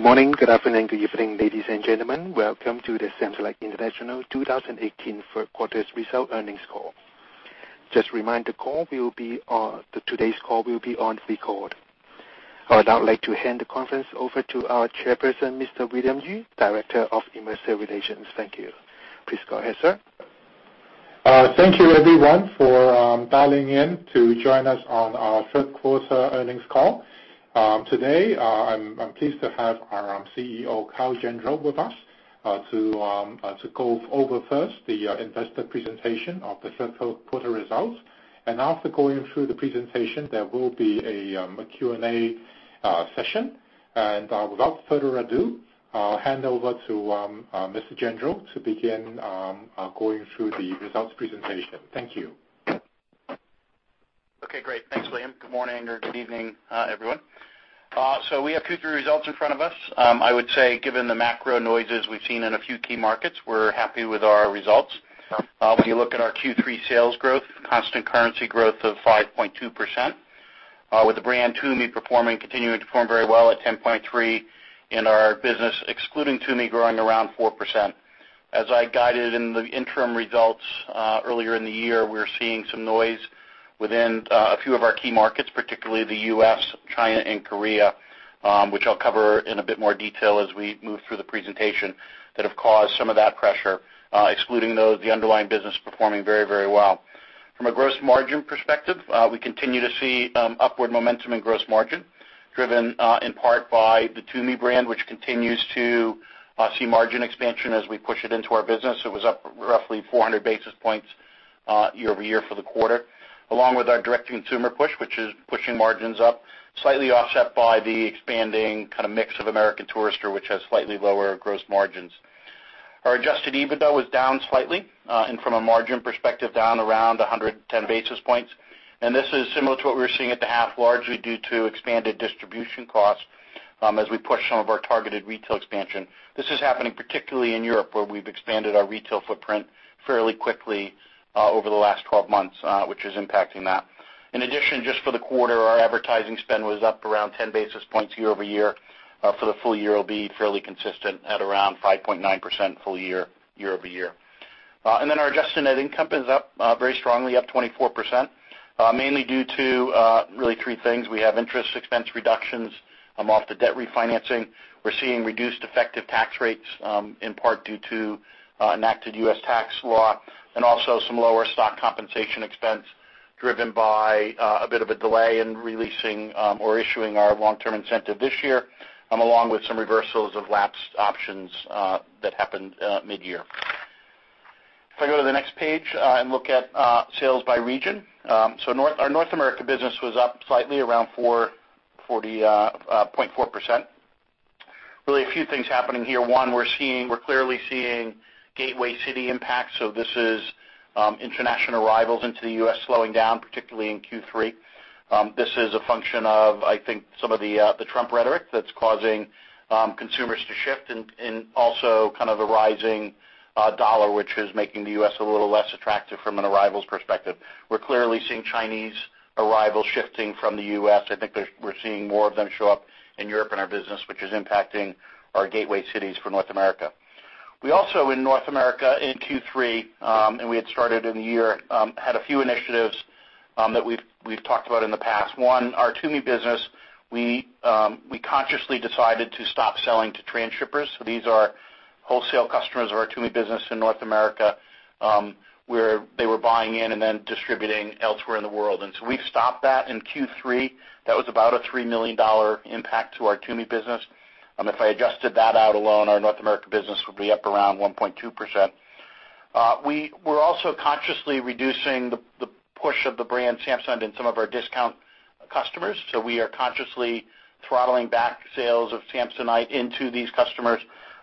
Good morning, good afternoon, good evening, ladies and gentlemen. Welcome to the Samsonite International 2018 third quarter results earnings call. Just a reminder, today's call will be on record. I would now like to hand the conference over to our Chairperson, Mr. William Yue, Director of Investor Relations. Thank you. Please go ahead, sir. Thank you, everyone, for dialing in to join us on our third quarter earnings call. Today, I'm pleased to have our CEO, Kyle Gendreau, with us to go over first the investor presentation of the third quarter results. After going through the presentation, there will be a Q&A session. Without further ado, I'll hand over to Mr. Gendreau to begin going through the results presentation. Thank you. Okay, great. Thanks, William. Good morning or good evening, everyone. We have Q3 results in front of us. I would say, given the macro noises we've seen in a few key markets, we're happy with our results. When you look at our Q3 sales growth, constant currency growth of 5.2%, with the brand Tumi continuing to perform very well at 10.3%, and our business, excluding Tumi, growing around 4%. As I guided in the interim results earlier in the year, we're seeing some noise within a few of our key markets, particularly the U.S., China, and Korea, which I'll cover in a bit more detail as we move through the presentation, that have caused some of that pressure. Excluding those, the underlying business is performing very well. From a gross margin perspective, we continue to see upward momentum in gross margin, driven in part by the Tumi brand, which continues to see margin expansion as we push it into our business. It was up roughly 400 basis points year-over-year for the quarter, along with our direct-to-consumer push, which is pushing margins up, slightly offset by the expanding mix of American Tourister, which has slightly lower gross margins. Our Adjusted EBITDA was down slightly, and from a margin perspective, down around 110 basis points. This is similar to what we were seeing at the half, largely due to expanded distribution costs as we push some of our targeted retail expansion. This is happening particularly in Europe, where we've expanded our retail footprint fairly quickly over the last 12 months, which is impacting that. In addition, just for the quarter, our advertising spend was up around 10 basis points year-over-year. For the full year, it'll be fairly consistent at around 5.9% full year-over-year. Our adjusted net income is up very strongly, up 24%, mainly due to really three things. We have interest expense reductions off the debt refinancing. We're seeing reduced effective tax rates, in part due to enacted U.S. tax law, and also some lower stock compensation expense driven by a bit of a delay in releasing or issuing our long-term incentive this year, along with some reversals of lapsed options that happened mid-year. If I go to the next page and look at sales by region. Our North America business was up slightly, around 4.4%. Really a few things happening here. One, we're clearly seeing gateway city impacts. This is international arrivals into the U.S. slowing down, particularly in Q3. This is a function of, I think, some of the Trump rhetoric that's causing consumers to shift, and also a rising dollar, which is making the U.S. a little less attractive from an arrivals perspective. We're clearly seeing Chinese arrivals shifting from the U.S. I think we're seeing more of them show up in Europe in our business, which is impacting our gateway cities for North America. We also, in North America in Q3, and we had started in the year, had a few initiatives that we've talked about in the past. One, our Tumi business. We consciously decided to stop selling to transshippers. These are wholesale customers of our Tumi business in North America, where they were buying in and then distributing elsewhere in the world. We've stopped that in Q3. That was about a $3 million impact to our Tumi business. If I adjusted that out alone, our North America business would be up around 1.2%. We're also consciously reducing the push of the brand Samsonite in some of our discount customers. We are consciously throttling back sales of Samsonite into these customers.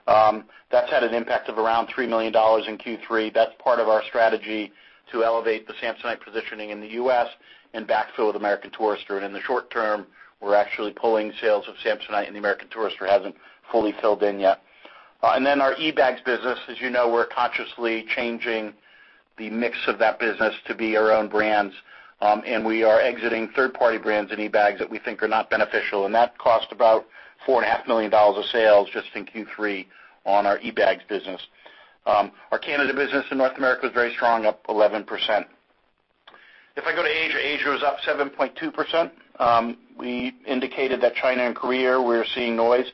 That's had an impact of around $3 million in Q3. That's part of our strategy to elevate the Samsonite positioning in the U.S. and backfill with American Tourister. In the short term, we're actually pulling sales of Samsonite, and the American Tourister hasn't fully filled in yet. Our eBags business, as you know, we're consciously changing the mix of that business to be our own brands. We are exiting third-party brands in eBags that we think are not beneficial, and that cost about $4.5 million of sales just in Q3 on our eBags business. Our Canada business in North America was very strong, up 11%. If I go to Asia was up 7.2%. We indicated that China and Korea, we were seeing noise,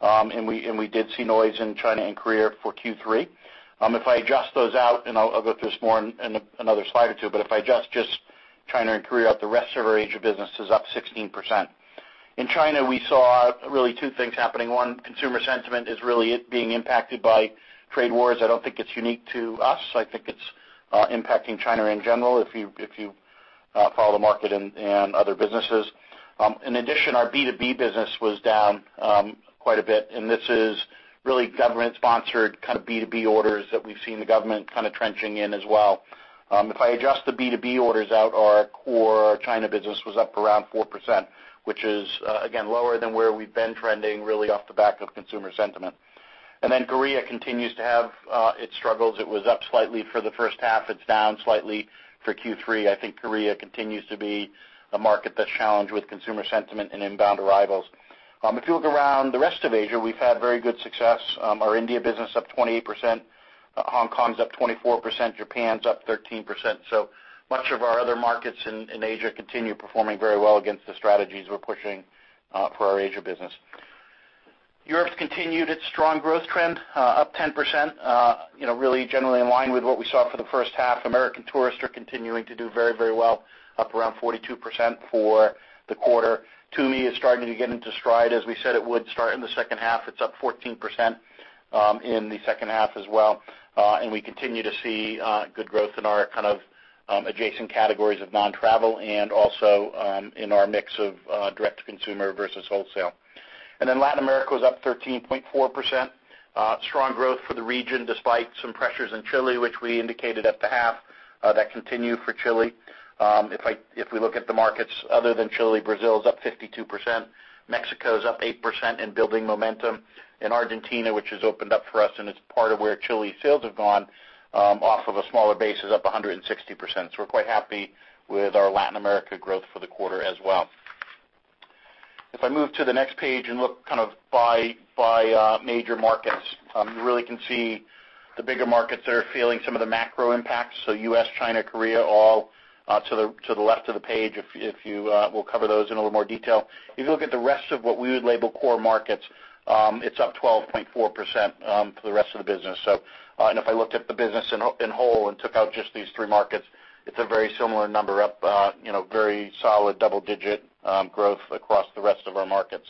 and we did see noise in China and Korea for Q3. If I adjust those out, and I'll go through this more in another slide or two, but if I adjust just China and Korea out, the rest of our Asia business is up 16%. In China, we saw really two things happening. One, consumer sentiment is really being impacted by trade wars. I don't think it's unique to us. I think it's impacting China in general, if you follow the market and other businesses. In addition, our B2B business was down quite a bit, and this is really government-sponsored B2B orders that we've seen the government trenching in as well. If I adjust the B2B orders out, our core China business was up around 4%, which is, again, lower than where we've been trending, really off the back of consumer sentiment. Korea continues to have its struggles. It was up slightly for the first half. It's down slightly for Q3. I think Korea continues to be a market that's challenged with consumer sentiment and inbound arrivals. If you look around the rest of Asia, we've had very good success. Our India business up 28%, Hong Kong's up 24%, Japan's up 13%. Much of our other markets in Asia continue performing very well against the strategies we're pushing for our Asia business. Europe's continued its strong growth trend, up 10%. Really generally in line with what we saw for the first half. American Tourister continuing to do very well, up around 42% for the quarter. Tumi is starting to get into stride as we said it would start in the second half. It's up 14% in the second half as well. We continue to see good growth in our adjacent categories of non-travel and also in our mix of direct-to-consumer versus wholesale. Latin America was up 13.4%. Strong growth for the region, despite some pressures in Chile, which we indicated at the half, that continue for Chile. If we look at the markets other than Chile, Brazil is up 52%, Mexico is up 8% and building momentum. In Argentina, which has opened up for us and is part of where Chile sales have gone, off of a smaller base, is up 160%. We're quite happy with our Latin America growth for the quarter as well. If I move to the next page and look by major markets, you really can see the bigger markets that are feeling some of the macro impacts. U.S., China, Korea, all to the left of the page. We'll cover those in a little more detail. If you look at the rest of what we would label core markets, it's up 12.4% for the rest of the business. If I looked at the business in whole and took out just these three markets, it's a very similar number, up very solid double-digit growth across the rest of our markets.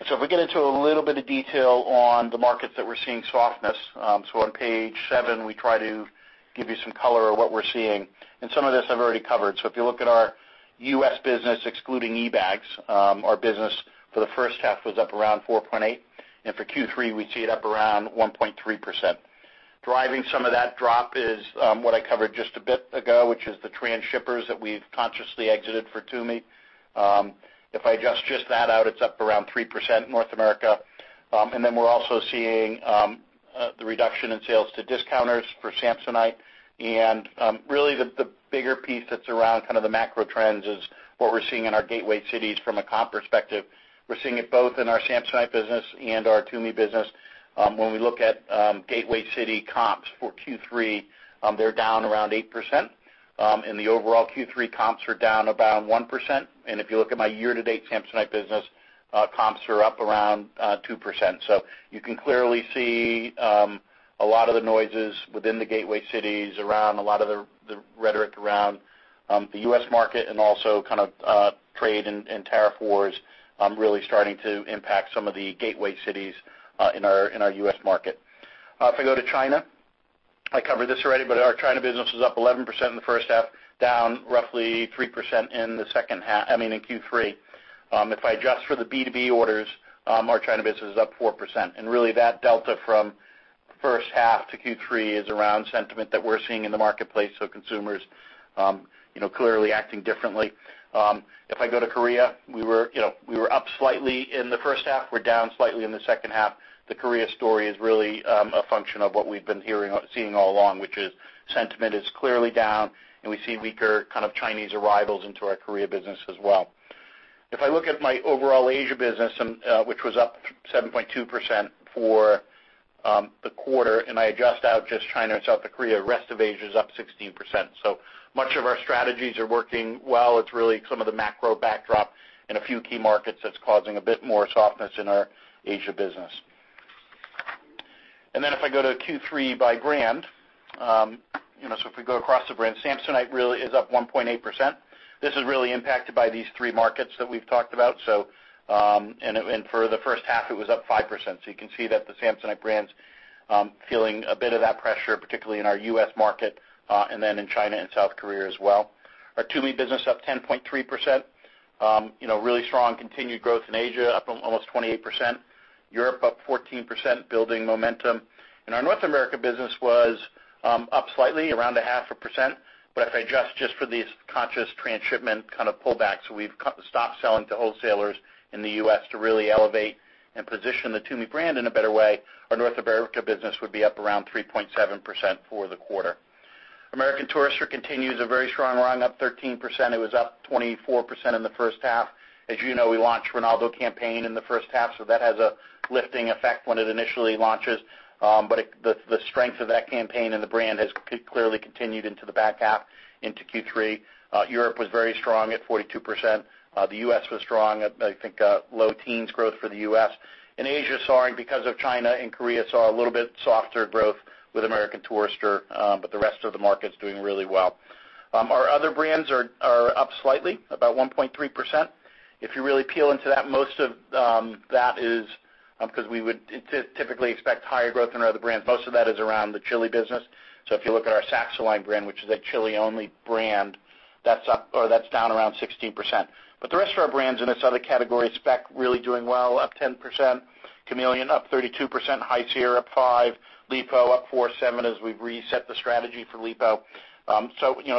If we get into a little bit of detail on the markets that we're seeing softness. On page seven, we try to give you some color of what we're seeing. Some of this I've already covered. If you look at our U.S. business, excluding eBags, our business for the first half was up around 4.8%, and for Q3, we see it up around 1.3%. Driving some of that drop is what I covered just a bit ago, which is the trans-shippers that we've consciously exited for Tumi. If I adjust just that out, it's up around 3% North America. We're also seeing the reduction in sales to discounters for Samsonite. Really the bigger piece that's around the macro trends is what we're seeing in our gateway cities from a comp perspective. We're seeing it both in our Samsonite business and our Tumi business. When we look at gateway city comps for Q3, they're down around 8%, and the overall Q3 comps are down around 1%. If you look at my year-to-date Samsonite business, comps are up around 2%. You can clearly see a lot of the noises within the gateway cities around a lot of the rhetoric around the U.S. market and also trade and tariff wars really starting to impact some of the gateway cities in our U.S. market. If I go to China, I covered this already, but our China business was up 11% in the first half, down roughly 3% in Q3. If I adjust for the B2B orders, our China business is up 4%. Really that delta from first half to Q3 is around sentiment that we're seeing in the marketplace, so consumers clearly acting differently. If I go to Korea, we were up slightly in the first half. We're down slightly in the second half. The Korea story is really a function of what we've been seeing all along, which is sentiment is clearly down, and we see weaker Chinese arrivals into our Korea business as well. If I look at my overall Asia business, which was up 7.2% for the quarter, and I adjust out just China and South Korea, rest of Asia is up 16%. Much of our strategies are working well. It's really some of the macro backdrop in a few key markets that's causing a bit more softness in our Asia business. If I go to Q3 by brand, if we go across the brands, Samsonite really is up 1.8%. This is really impacted by these three markets that we've talked about. For the first half, it was up 5%. You can see that the Samsonite brand's feeling a bit of that pressure, particularly in our U.S. market, in China and South Korea as well. Our Tumi business up 10.3%. Really strong continued growth in Asia, up almost 28%. Europe up 14%, building momentum. Our North America business was up slightly, around a half a percent. If I adjust just for these conscious trans-shipment pullbacks, we've stopped selling to wholesalers in the U.S. to really elevate and position the Tumi brand in a better way, our North America business would be up around 3.7% for the quarter. American Tourister continues a very strong run, up 13%. It was up 24% in the first half. As you know, we launched Ronaldo campaign in the first half, that has a lifting effect when it initially launches. The strength of that campaign and the brand has clearly continued into the back half into Q3. Europe was very strong at 42%. The U.S. was strong at, I think, low teens growth for the U.S. In Asia, sorry, because of China and Korea, saw a little bit softer growth with American Tourister. The rest of the market's doing really well. Our other brands are up slightly, about 1.3%. If you really peel into that, because we would typically expect higher growth in our other brands, most of that is around the Chile business. If you look at our Saxoline brand, which is a Chile-only brand, that's down around 16%. The rest of our brands in this other category, Speck, really doing well, up 10%, Kamiliant up 32%, High Sierra up 5%, Lipault up 4%, as we've reset the strategy for Lipault.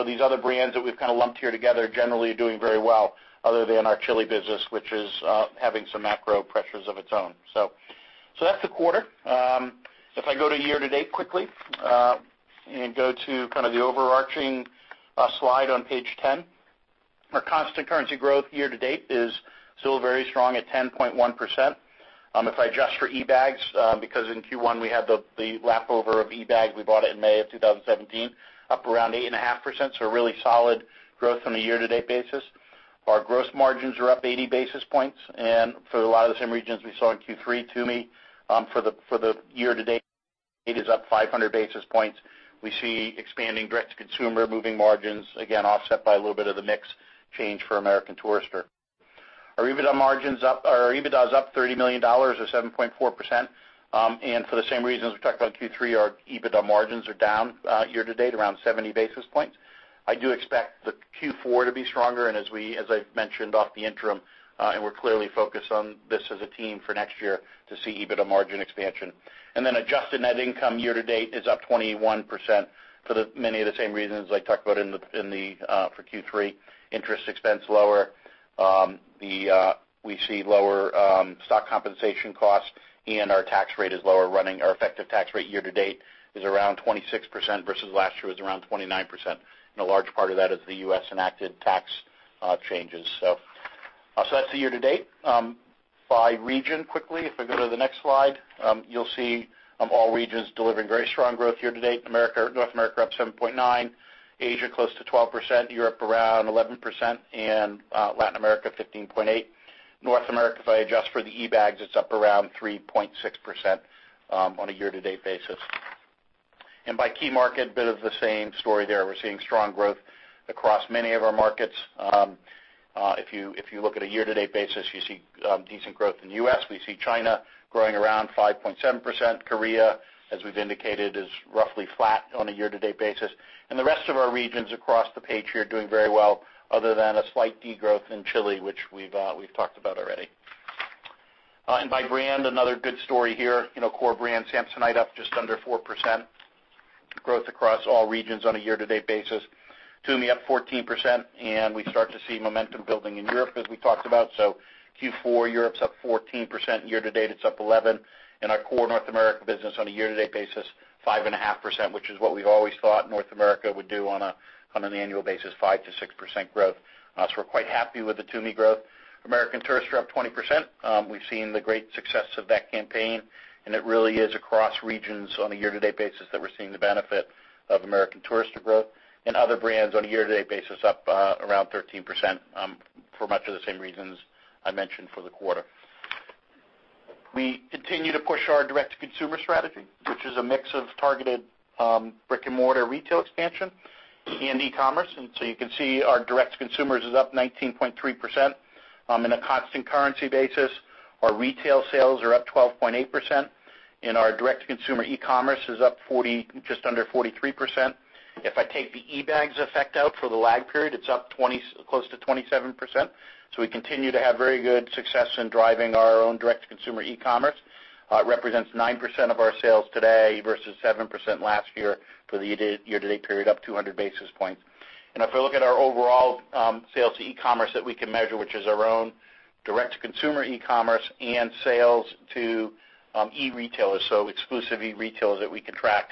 These other brands that we've lumped here together generally are doing very well, other than our Chile business, which is having some macro pressures of its own. That's the quarter. If I go to year-to-date quickly, and go to the overarching slide on page 10. Our constant currency growth year-to-date is still very strong at 10.1%. If I adjust for eBags, because in Q1 we had the lap over of eBags, we bought it in May of 2017, up around 8.5%, really solid growth on a year-to-date basis. Our gross margins are up 80 basis points. For a lot of the same regions we saw in Q3, Tumi for the year-to-date is up 500 basis points. We see expanding direct-to-consumer moving margins, again, offset by a little bit of the mix change for American Tourister. Our EBITDA is up $30 million, or 7.4%. For the same reasons we talked about in Q3, our EBITDA margins are down year-to-date around 70 basis points. I do expect the Q4 to be stronger, and as I've mentioned off the interim, and we're clearly focused on this as a team for next year to see EBITDA margin expansion. Adjusted net income year-to-date is up 21% for many of the same reasons I talked about for Q3. Interest expense lower. We see lower stock compensation costs, and our tax rate is lower. Our effective tax rate year-to-date is around 26% versus last year was around 29%, and a large part of that is the U.S.-enacted tax changes. That's the year-to-date. By region, quickly, if I go to the next slide, you'll see all regions delivering very strong growth year-to-date. North America up 7.9%, Asia close to 12%, Europe around 11%, and Latin America 15.8%. North America, if I adjust for the eBags, it's up around 3.6% on a year-to-date basis. By key market, bit of the same story there. We're seeing strong growth across many of our markets. If you look at a year-to-date basis, you see decent growth in the U.S., we see China growing around 5.7%. Korea, as we've indicated, is roughly flat on a year-to-date basis. The rest of our regions across the page here doing very well, other than a slight degrowth in Chile, which we've talked about already. By brand, another good story here. Core brands, Samsonite up just under 4%. Growth across all regions on a year-to-date basis. Tumi up 14%, and we start to see momentum building in Europe as we talked about. Q3, Europe's up 14%, year-to-date it's up 11%. Our core North America business on a year-to-date basis, 5.5%, which is what we've always thought North America would do on an annual basis, 5%-6% growth. We're quite happy with the Tumi growth. American Tourister up 20%. We've seen the great success of that campaign, and it really is across regions on a year-to-date basis that we're seeing the benefit of American Tourister growth. Other brands on a year-to-date basis up around 13% for much of the same reasons I mentioned for the quarter. We continue to push our direct-to-consumer strategy, which is a mix of targeted brick-and-mortar retail expansion and e-commerce. You can see our direct-to-consumer is up 19.3%. In a constant currency basis, our retail sales are up 12.8%, and our direct-to-consumer e-commerce is up just under 43%. If I take the eBags effect out for the lag period, it's up close to 27%. We continue to have very good success in driving our own direct-to-consumer e-commerce. Represents 9% of our sales today versus 7% last year for the year-to-date period, up 200 basis points. If I look at our overall sales to e-commerce that we can measure, which is our own direct-to-consumer e-commerce and sales to e-retailers, so exclusive e-retailers that we can track,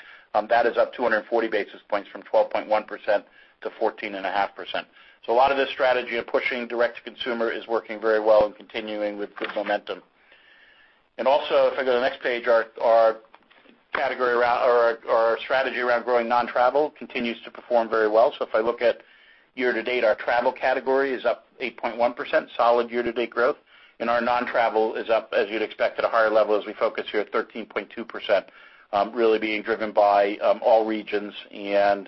that is up 240 basis points from 12.1% to 14.5%. A lot of this strategy of pushing direct-to-consumer is working very well and continuing with good momentum. If I go to the next page, our strategy around growing non-travel continues to perform very well. If I look at year-to-date, our travel category is up 8.1%, solid year-to-date growth. Our non-travel is up, as you'd expect, at a higher level as we focus here, 13.2%, really being driven by all regions. When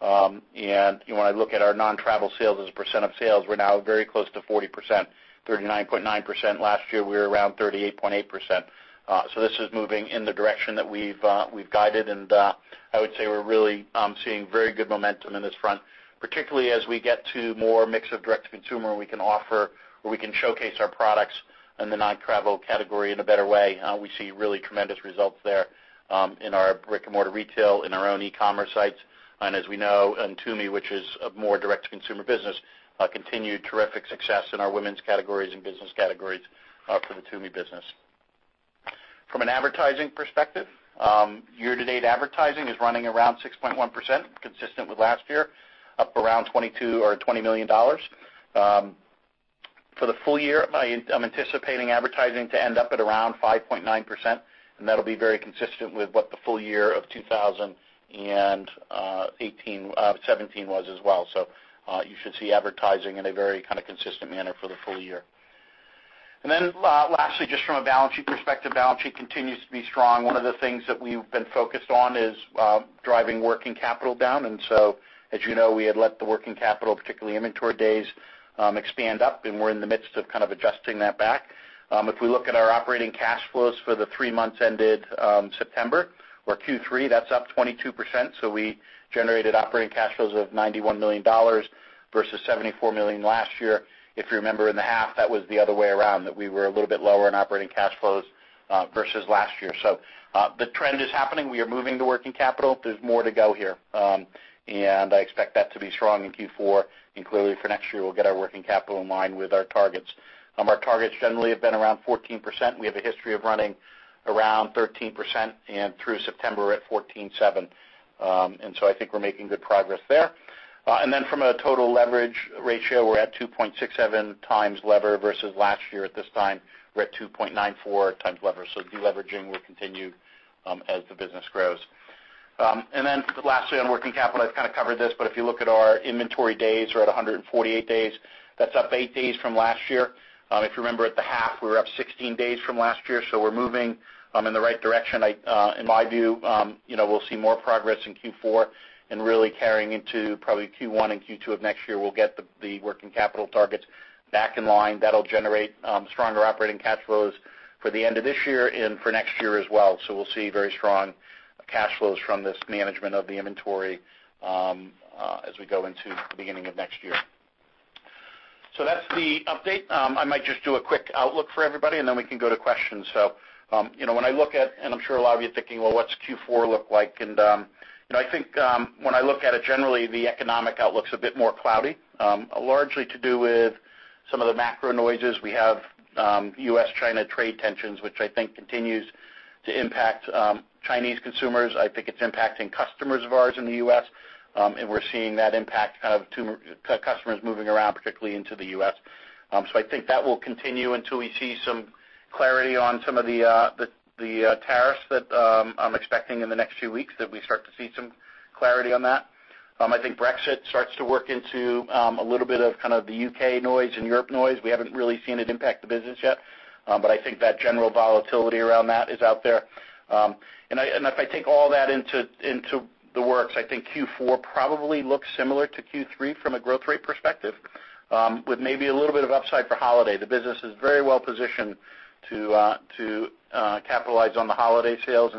I look at our non-travel sales as a percent of sales, we're now very close to 40%, 39.9%. Last year, we were around 38.8%. This is moving in the direction that we've guided, and I would say we're really seeing very good momentum in this front, particularly as we get to more mix of direct-to-consumer we can offer, where we can showcase our products in the non-travel category in a better way. We see really tremendous results there in our brick-and-mortar retail, in our own e-commerce sites. As we know, in Tumi, which is a more direct-to-consumer business, continued terrific success in our women's categories and business categories for the Tumi business. From an advertising perspective, year-to-date advertising is running around 6.1%, consistent with last year, up around $22 million or $20 million. For the full year, I'm anticipating advertising to end up at around 5.9%, and that'll be very consistent with what the full year of 2017 was as well. You should see advertising in a very consistent manner for the full year. Lastly, just from a balance sheet perspective, balance sheet continues to be strong. One of the things that we've been focused on is driving working capital down. As you know, we had let the working capital, particularly inventory days, expand up, and we're in the midst of adjusting that back. If we look at our operating cash flows for the three months ended September or Q3, that's up 22%. We generated operating cash flows of $91 million versus $74 million last year. If you remember in the half, that was the other way around, that we were a little bit lower in operating cash flows versus last year. The trend is happening. We are moving the working capital. There's more to go here. I expect that to be strong in Q4, and clearly for next year, we'll get our working capital in line with our targets. Our targets generally have been around 14%. We have a history of running around 13%, and through September we're at 14.7%. From a total leverage ratio, we're at 2.67 times lever versus last year at this time, we're at 2.94 times lever. De-leveraging will continue as the business grows. Lastly, on working capital, I've kind of covered this, but if you look at our inventory days, we're at 148 days. That's up eight days from last year. If you remember, at the half, we were up 16 days from last year, we're moving in the right direction. In my view, we'll see more progress in Q4, and really carrying into probably Q1 and Q2 of next year, we'll get the working capital targets back in line. That'll generate stronger operating cash flows for the end of this year and for next year as well. We'll see very strong cash flows from this management of the inventory as we go into the beginning of next year. That's the update. I might just do a quick outlook for everybody, and then we can go to questions. When I look at, and I'm sure a lot of you are thinking, "Well, what's Q4 look like?" I think, when I look at it generally, the economic outlook's a bit more cloudy. Largely to do with some of the macro noises. We have U.S.-China trade tensions, which I think continues to impact Chinese consumers. I think it's impacting customers of ours in the U.S., and we're seeing that impact kind of customers moving around, particularly into the U.S. I think that will continue until we see some clarity on some of the tariffs that I'm expecting in the next few weeks that we start to see some clarity on that. I think Brexit starts to work into a little bit of kind of the U.K. noise and Europe noise. We haven't really seen it impact the business yet. I think that general volatility around that is out there. If I take all that into the works, I think Q4 probably looks similar to Q3 from a growth rate perspective, with maybe a little bit of upside for holiday. The business is very well positioned to capitalize on the holiday sales,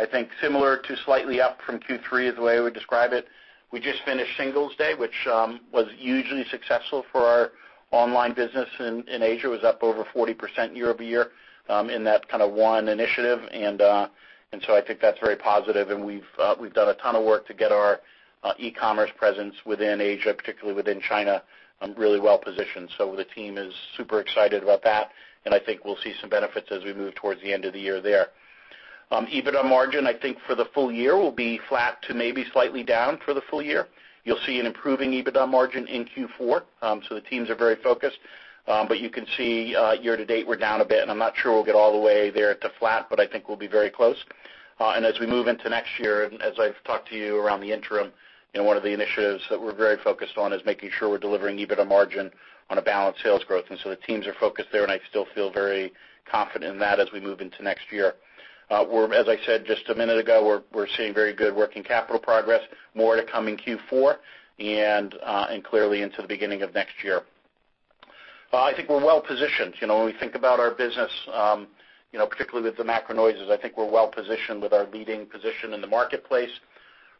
I think similar to slightly up from Q3 is the way I would describe it. We just finished Singles Day, which was hugely successful for our online business in Asia. It was up over 40% year-over-year in that kind of one initiative. I think that's very positive, and we've done a ton of work to get our e-commerce presence within Asia, particularly within China, really well positioned. The team is super excited about that, and I think we'll see some benefits as we move towards the end of the year there. EBITDA margin, I think for the full year, will be flat to maybe slightly down for the full year. You'll see an improving EBITDA margin in Q4. The teams are very focused. You can see year to date, we're down a bit, and I'm not sure we'll get all the way there to flat, but I think we'll be very close. As we move into next year, and as I've talked to you around the interim, one of the initiatives that we're very focused on is making sure we're delivering EBITDA margin on a balanced sales growth. The teams are focused there, and I still feel very confident in that as we move into next year. As I said just a minute ago, we're seeing very good working capital progress, more to come in Q4 and clearly into the beginning of next year. I think we're well positioned. When we think about our business, particularly with the macro noises, I think we're well positioned with our leading position in the marketplace,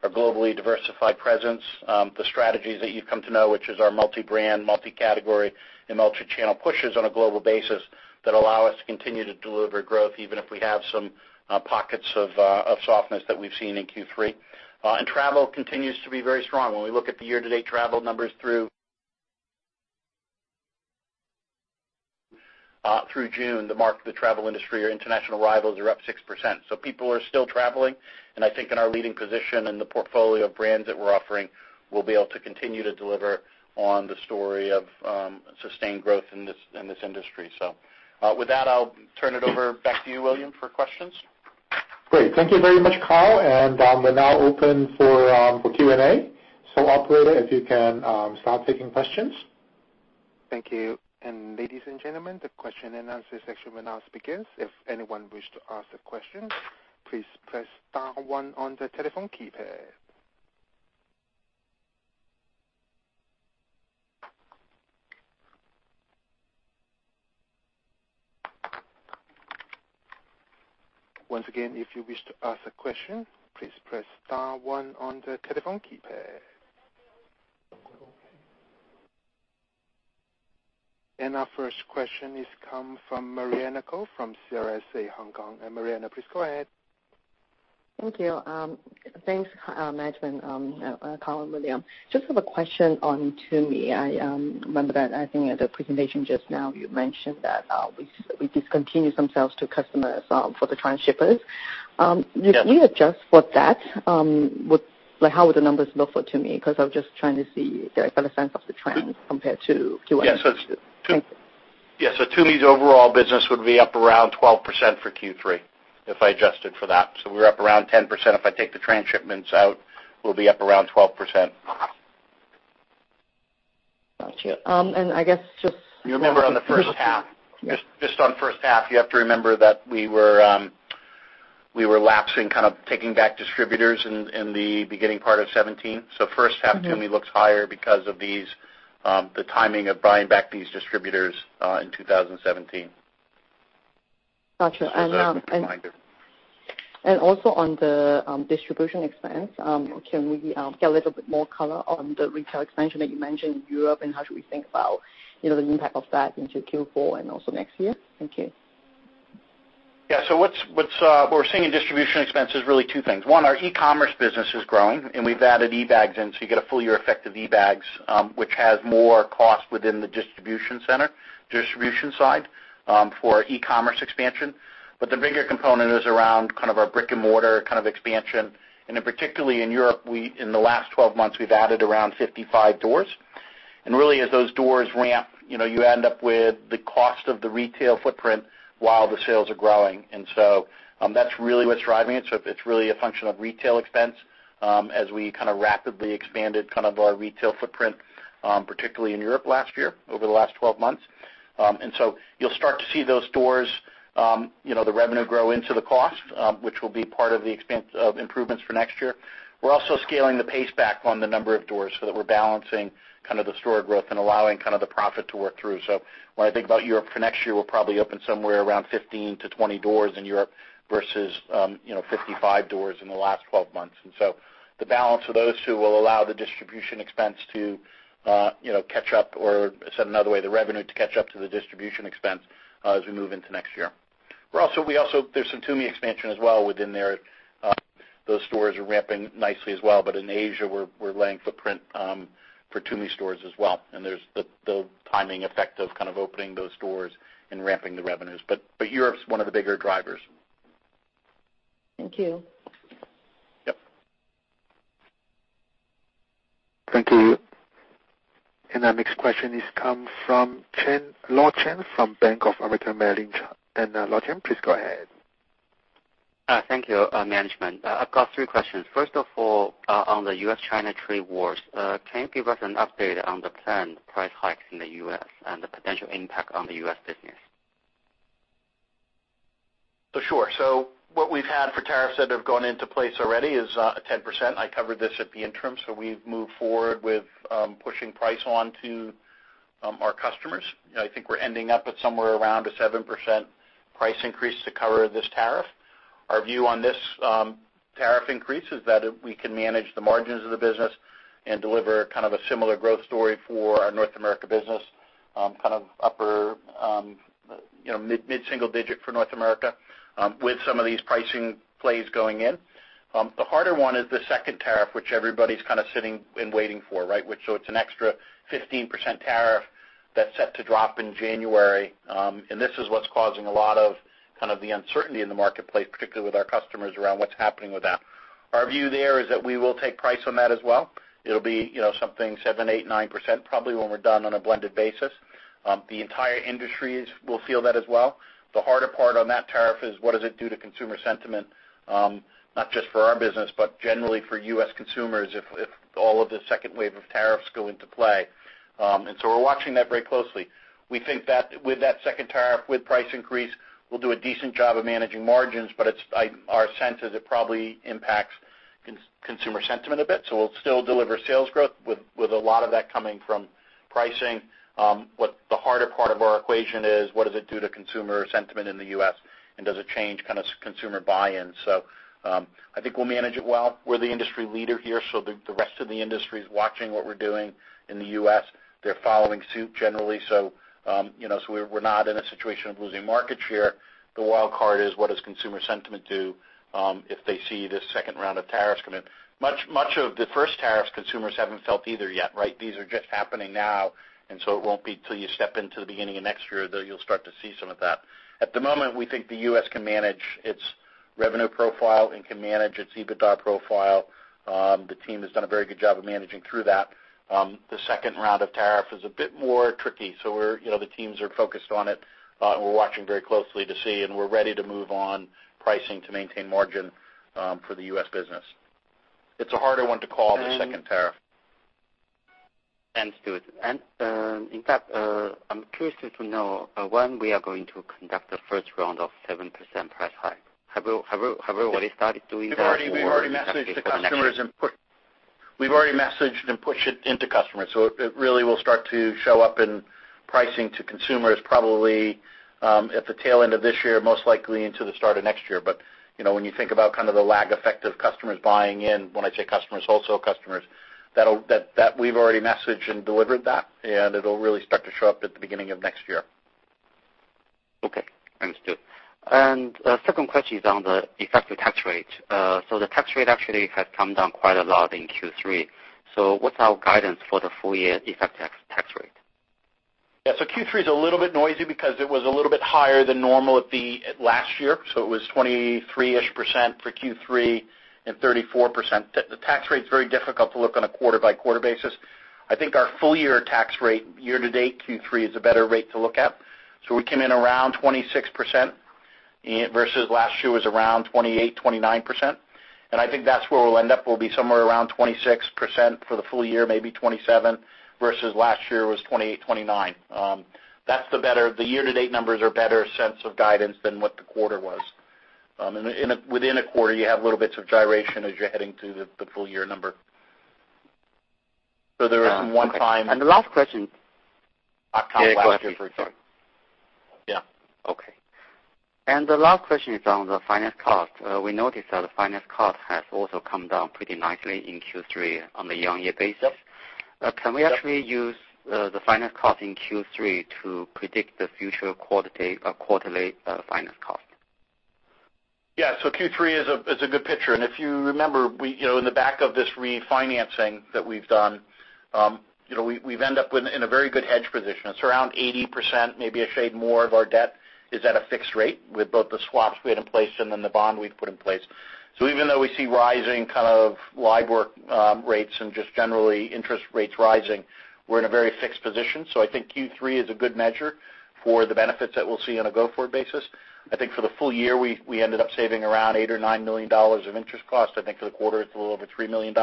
our globally diversified presence, the strategies that you've come to know, which is our multi-brand, multi-category, and multi-channel pushes on a global basis that allow us to continue to deliver growth even if we have some pockets of softness that we've seen in Q3. Travel continues to be very strong. When we look at the year-to-date travel numbers through June, the travel industry or international arrivals are up 6%. People are still traveling, and I think in our leading position in the portfolio of brands that we're offering, we'll be able to continue to deliver on the story of sustained growth in this industry. With that, I'll turn it over back to you, William, for questions. Great. Thank you very much, Kyle. We're now open for Q&A. Operator, if you can start taking questions. Thank you. Ladies and gentlemen, the question and answer section will now begin. If anyone wishes to ask a question, please press star one on the telephone keypad. Once again, if you wish to ask a question, please press star one on the telephone keypad. Our first question is coming from Mariana Kou from CLSA Hong Kong. Mariana, please go ahead. Thank you. Thanks, management, Kyle and William. Have a question on Tumi. I remember that I think at the presentation just now, you mentioned that we discontinued some sales to customers for the trans-shippers. Yes. If you adjust for that, how would the numbers look for Tumi? I was just trying to see, get a sense of the trend compared to Q1. Yes. Tumi's overall business would be up around 12% for Q3 if I adjusted for that. We're up around 10%. If I take the trans-shipments out, we'll be up around 12%. Got you. You remember on the first half. Just on the first half, you have to remember that we were lapsing, kind of taking back distributors in the beginning part of 2017. The first half of Tumi looks higher because of the timing of buying back these distributors in 2017. Got you. Just as a reminder. Also on the distribution expense, can we get a little bit more color on the retail expansion that you mentioned in Europe, and how should we think about the impact of that into Q4 and also next year? Thank you. What we're seeing in distribution expense is really two things. One, our e-commerce business is growing, and we've added eBags in, so you get a full-year effect of eBags, which has more cost within the distribution center, distribution side for our e-commerce expansion. The bigger component is around kind of our brick and mortar kind of expansion. Then particularly in Europe, in the last 12 months, we've added around 55 doors. Really, as those doors ramp, you end up with the cost of the retail footprint while the sales are growing. That's really what's driving it. It's really a function of retail expense as we kind of rapidly expanded kind of our retail footprint, particularly in Europe last year, over the last 12 months. You'll start to see those stores, the revenue grow into the cost, which will be part of the improvements for next year. We're also scaling the pace back on the number of doors, so that we're balancing the store growth and allowing the profit to work through. When I think about Europe for next year, we'll probably open somewhere around 15 to 20 doors in Europe versus 55 doors in the last 12 months. The balance of those two will allow the distribution expense to catch up, or said another way, the revenue to catch up to the distribution expense as we move into next year. There's some Tumi expansion as well within there. Those stores are ramping nicely as well. In Asia, we're laying footprint for Tumi stores as well. There's the timing effect of kind of opening those stores and ramping the revenues. Europe's one of the bigger drivers. Thank you. Yep. Thank you. Our next question comes from Chen Luo from Bank of America Merrill Lynch. Chen Luo, please go ahead. Thank you, management. I've got three questions. First of all, on the U.S.-China trade wars, can you give us an update on the planned price hikes in the U.S. and the potential impact on the U.S. business? Sure. What we've had for tariffs that have gone into place already is 10%. I covered this at the interim. We've moved forward with pushing price onto our customers. I think we're ending up at somewhere around a 7% price increase to cover this tariff. Our view on this tariff increase is that we can manage the margins of the business and deliver kind of a similar growth story for our North America business, kind of upper mid-single-digit for North America with some of these pricing plays going in. The harder one is the second tariff, which everybody's kind of sitting and waiting for, right? It's an extra 15% tariff that's set to drop in January. This is what's causing a lot of the uncertainty in the marketplace, particularly with our customers around what's happening with that. Our view there is that we will take price on that as well. It'll be something 7, 8, 9%, probably when we're done on a blended basis. The entire industries will feel that as well. The harder part on that tariff is what does it do to consumer sentiment, not just for our business, but generally for U.S. consumers if all of the second wave of tariffs go into play. We're watching that very closely. We think that with that second tariff, with price increase, we'll do a decent job of managing margins, but our sense is it probably impacts consumer sentiment a bit. We'll still deliver sales growth with a lot of that coming from pricing. What the harder part of our equation is, what does it do to consumer sentiment in the U.S., and does it change kind of consumer buy-in? I think we'll manage it well. We're the industry leader here, so the rest of the industry's watching what we're doing in the U.S. They're following suit generally. We're not in a situation of losing market share. The wild card is what does consumer sentiment do if they see this second round of tariffs coming. Much of the first tariffs consumers haven't felt either yet, right? These are just happening now, and it won't be till you step into the beginning of next year that you'll start to see some of that. At the moment, we think the U.S. can manage its revenue profile and can manage its EBITDA profile. The team has done a very good job of managing through that. The second round of tariff is a bit more tricky. The teams are focused on it, and we're watching very closely to see, and we're ready to move on pricing to maintain margin for the U.S. business. It's a harder one to call, the second tariff. Thanks, Kyle. In fact, I'm curious to know when we are going to conduct the first round of 7% price hike. Have you already started doing that? We've already messaged the customers. exactly for next year We've already messaged and pushed it into customers. It really will start to show up in pricing to consumers probably at the tail end of this year, most likely into the start of next year. When you think about kind of the lag effect of customers buying in, when I say customers, wholesale customers, we've already messaged and delivered that, it'll really start to show up at the beginning of next year. Okay. Thanks, Kyle. Second question is on the effective tax rate. The tax rate actually has come down quite a lot in Q3. What's our guidance for the full year effective tax rate? Yeah. Q3 is a little bit noisy because it was a little bit higher than normal at last year. It was 23% for Q3 and 34%. The tax rate's very difficult to look on a quarter-by-quarter basis. I think our full-year tax rate year to date, Q3 is a better rate to look at. We came in around 26% versus last year was around 28%-29%. I think that's where we'll end up. We'll be somewhere around 26% for the full year, maybe 27%, versus last year was 28%-29%. The year-to-date numbers are better sense of guidance than what the quarter was. Within a quarter, you have little bits of gyration as you're heading to the full-year number. There are some one time. The last question. Yeah, go ahead. Sorry. Yeah. Okay. The last question is on the finance cost. We noticed that the finance cost has also come down pretty nicely in Q3 on the year-on-year basis. Yep. Can we actually use the finance cost in Q3 to predict the future quarterly finance cost? Yeah. Q3 is a good picture. If you remember, in the back of this refinancing that we've done, we've end up in a very good hedge position. It's around 80%, maybe a shade more of our debt is at a fixed rate with both the swaps we had in place and the bond we've put in place. Even though we see rising kind of Libor rates and just generally interest rates rising, we're in a very fixed position. I think Q3 is a good measure for the benefits that we'll see on a go-forward basis. I think for the full year, we ended up saving around $8 or $9 million of interest costs. I think for the quarter, it's a little over $3 million.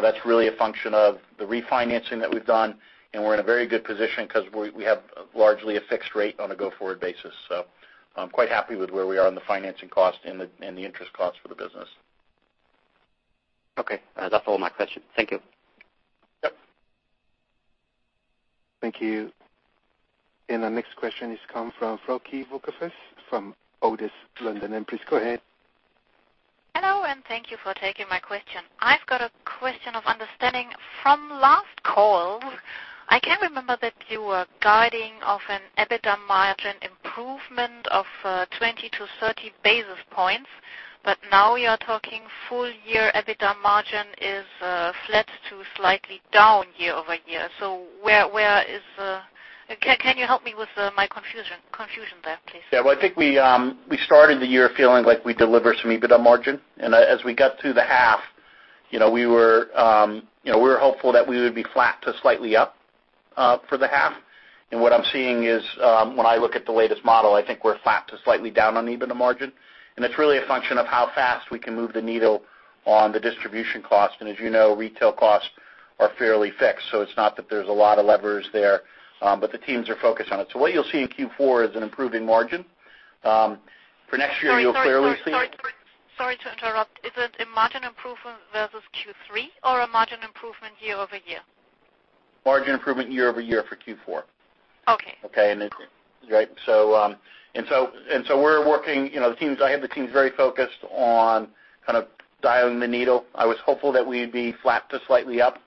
That's really a function of the refinancing that we've done, we're in a very good position because we have largely a fixed rate on a go-forward basis. I'm quite happy with where we are on the financing cost and the interest costs for the business. Okay. That's all my question. Thank you. Yep. Thank you. Our next question is come from Frauke Wolkewitz from ODDO London. Please go ahead. Hello, and thank you for taking my question. I've got a question of understanding from last call. I can remember that you were guiding of an EBITDA margin improvement of 20 to 30 basis points. Now you are talking full year EBITDA margin is flat to slightly down year-over-year. Can you help me with my confusion there, please? Yeah. Well, I think we started the year feeling like we'd deliver some EBITDA margin. As we got to the half, we were hopeful that we would be flat to slightly up for the half. What I'm seeing is, when I look at the latest model, I think we're flat to slightly down on EBITDA margin, and it's really a function of how fast we can move the needle on the distribution cost. As you know, retail costs are fairly fixed, so it's not that there's a lot of levers there, but the teams are focused on it. What you'll see in Q4 is an improving margin. For next year, you'll clearly see- Sorry to interrupt. Is it a margin improvement versus Q3 or a margin improvement year-over-year? Margin improvement year-over-year for Q4. Okay. Okay. I have the teams very focused on kind of dialing the needle. I was hopeful that we'd be flat to slightly up,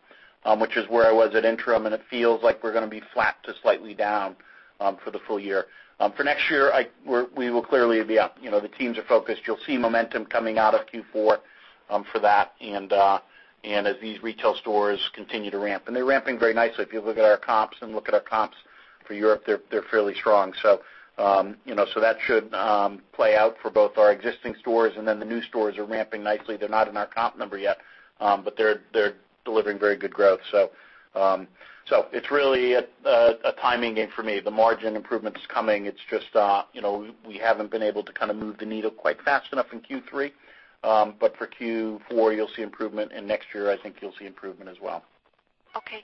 which is where I was at interim, and it feels like we're going to be flat to slightly down for the full year. For next year, we will clearly be up. The teams are focused. You'll see momentum coming out of Q4 for that and as these retail stores continue to ramp. They're ramping very nicely. If you look at our comps and look at our comps for Europe, they're fairly strong. That should play out for both our existing stores, and then the new stores are ramping nicely. They're not in our comp number yet, but they're delivering very good growth. It's really a timing game for me. The margin improvement's coming. It's just we haven't been able to kind of move the needle quite fast enough in Q3. For Q4, you'll see improvement, and next year, I think you'll see improvement as well. Okay.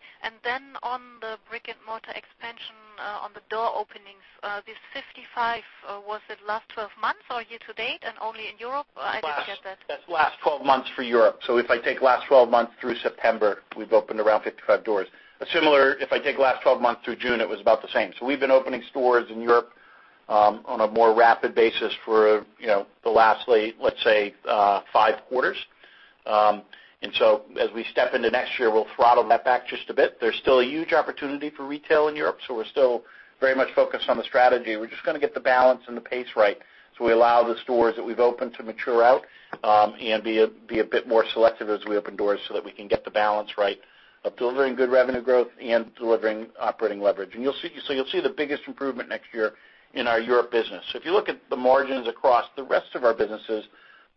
On the brick-and-mortar expansion, on the door openings, this 55, was it last 12 months or year to date and only in Europe? I did forget that. That's last 12 months for Europe. If I take last 12 months through September, we've opened around 55 doors. Similar, if I take the last 12 months through June, it was about the same. We've been opening stores in Europe on a more rapid basis for the lastly, let's say, five quarters. As we step into next year, we'll throttle that back just a bit. There's still a huge opportunity for retail in Europe, so we're still very much focused on the strategy. We're just going to get the balance and the pace right, so we allow the stores that we've opened to mature out and be a bit more selective as we open doors so that we can get the balance right of delivering good revenue growth and delivering operating leverage. You'll see the biggest improvement next year in our Europe business. If you look at the margins across the rest of our businesses,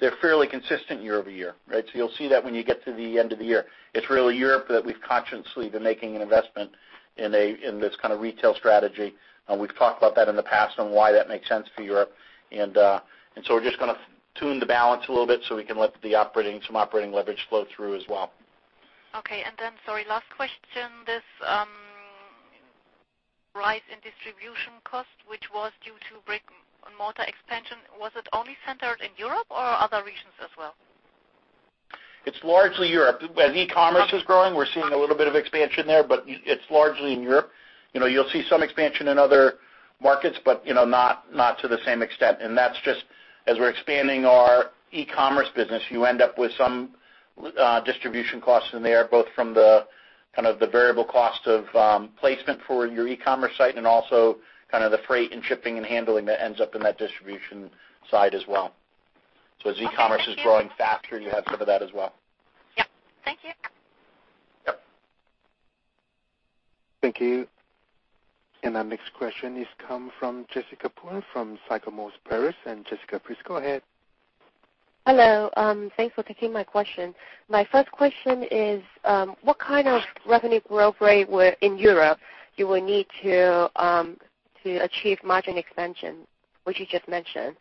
they're fairly consistent year-over-year. Right? You'll see that when you get to the end of the year. It's really Europe that we've consciously been making an investment in this kind of retail strategy, and we've talked about that in the past on why that makes sense for Europe. We're just going to tune the balance a little bit so we can let some operating leverage flow through as well. Okay. Sorry, last question. This rise in distribution cost, which was due to brick-and-mortar expansion, was it only centered in Europe or other regions as well? It's largely Europe. As e-commerce is growing, we're seeing a little bit of expansion there, but it's largely in Europe. You'll see some expansion in other markets, but not to the same extent. That's just as we're expanding our e-commerce business, you end up with some distribution costs in there, both from the kind of the variable cost of placement for your e-commerce site and also kind of the freight and shipping and handling that ends up in that distribution side as well. As e-commerce is growing faster, you have some of that as well. Yep. Thank you. Yep. Thank you. Our next question is come from Jessica Poon from Sycomore Paris. Jessica, please go ahead. Hello. Thanks for taking my question. My first question is, what kind of revenue growth rate in Europe you will need to achieve margin expansion, which you just mentioned?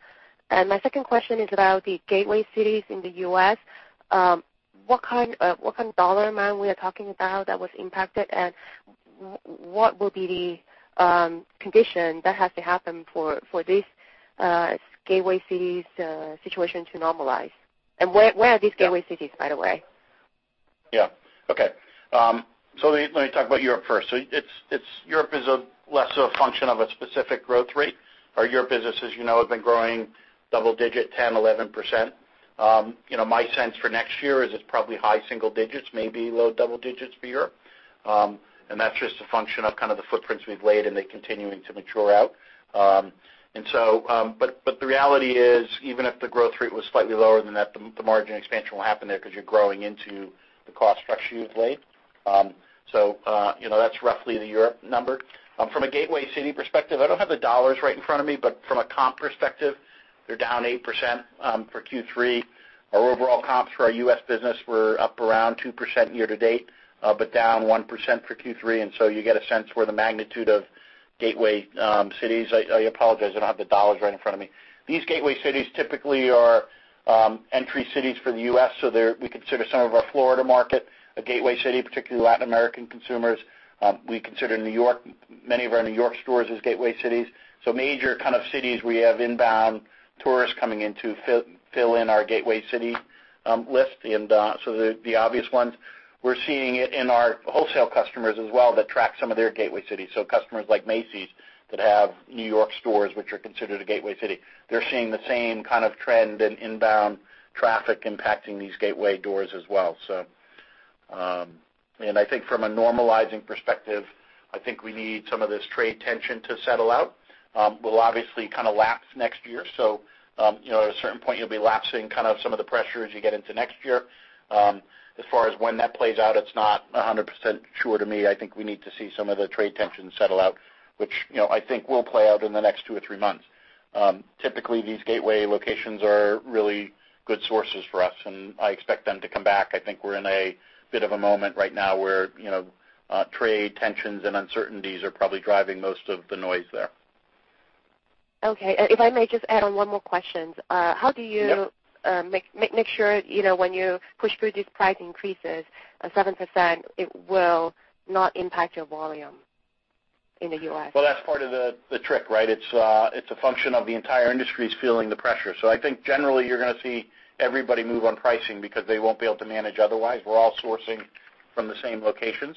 My second question is about the gateway cities in the U.S. What kind of dollar amount we are talking about that was impacted, and what will be the condition that has to happen for this gateway cities situation to normalize? Where are these gateway cities, by the way? Okay. Let me talk about Europe first. Europe is less a function of a specific growth rate. Our Europe business, as you know, has been growing double-digit 10%, 11%. My sense for next year is it's probably high single-digits, maybe low double-digits for Europe. That's just a function of kind of the footprints we've laid, and they're continuing to mature out. The reality is, even if the growth rate was slightly lower than that, the margin expansion will happen there because you're growing into the cost structure you've laid. That's roughly the Europe number. From a gateway city perspective, I don't have the dollars right in front of me, but from a comp perspective, they're down 8% for Q3. Our overall comps for our U.S. business were up around 2% year-to-date, but down 1% for Q3, you get a sense where the magnitude of gateway cities. I apologize, I don't have the dollars right in front of me. These gateway cities typically are entry cities for the U.S., we consider some of our Florida market a gateway city, particularly Latin American consumers. We consider many of our N.Y. stores as gateway cities. Major kind of cities we have inbound tourists coming in to fill in our gateway city list, the obvious ones. We're seeing it in our wholesale customers as well that track some of their gateway cities. Customers like Macy's that have N.Y. stores, which are considered a gateway city. They're seeing the same kind of trend in inbound traffic impacting these gateway doors as well. I think from a normalizing perspective, I think we need some of this trade tension to settle out. We'll obviously kind of lapse next year. At a certain point, you'll be lapsing some of the pressure as you get into next year. As far as when that plays out, it's not 100% sure to me. I think we need to see some of the trade tensions settle out, which I think will play out in the next two or three months. Typically, these gateway locations are really good sources for us, and I expect them to come back. I think we're in a bit of a moment right now where trade tensions and uncertainties are probably driving most of the noise there. Okay. If I may just add on one more question. Yeah. How do you make sure when you push through these price increases of 7%, it will not impact your volume in the U.S.? Well, that's part of the trick, right? It's a function of the entire industry is feeling the pressure. I think generally, you're going to see everybody move on pricing because they won't be able to manage otherwise. We're all sourcing from the same locations.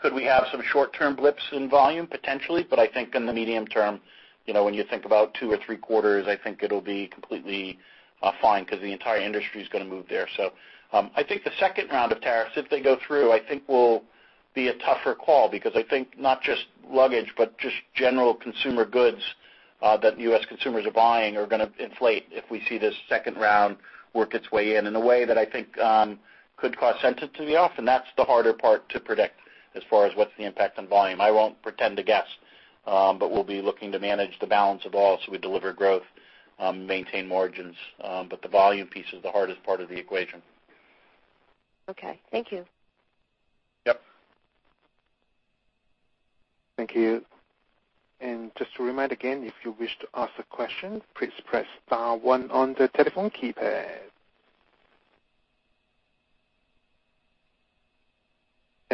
Could we have some short-term blips in volume? Potentially. I think in the medium term, when you think about two or three quarters, I think it'll be completely fine because the entire industry is going to move there. I think the second round of tariffs, if they go through, I think will be a tougher call because I think not just luggage, but just general consumer goods that U.S. consumers are buying are going to inflate if we see this second round work its way in a way that I think could cause sensitivity off. That's the harder part to predict as far as what's the impact on volume. I won't pretend to guess. We'll be looking to manage the balance of all, so we deliver growth, maintain margins. The volume piece is the hardest part of the equation. Okay. Thank you. Yep. Thank you. Just to remind again, if you wish to ask a question, please press star 1 on the telephone keypad.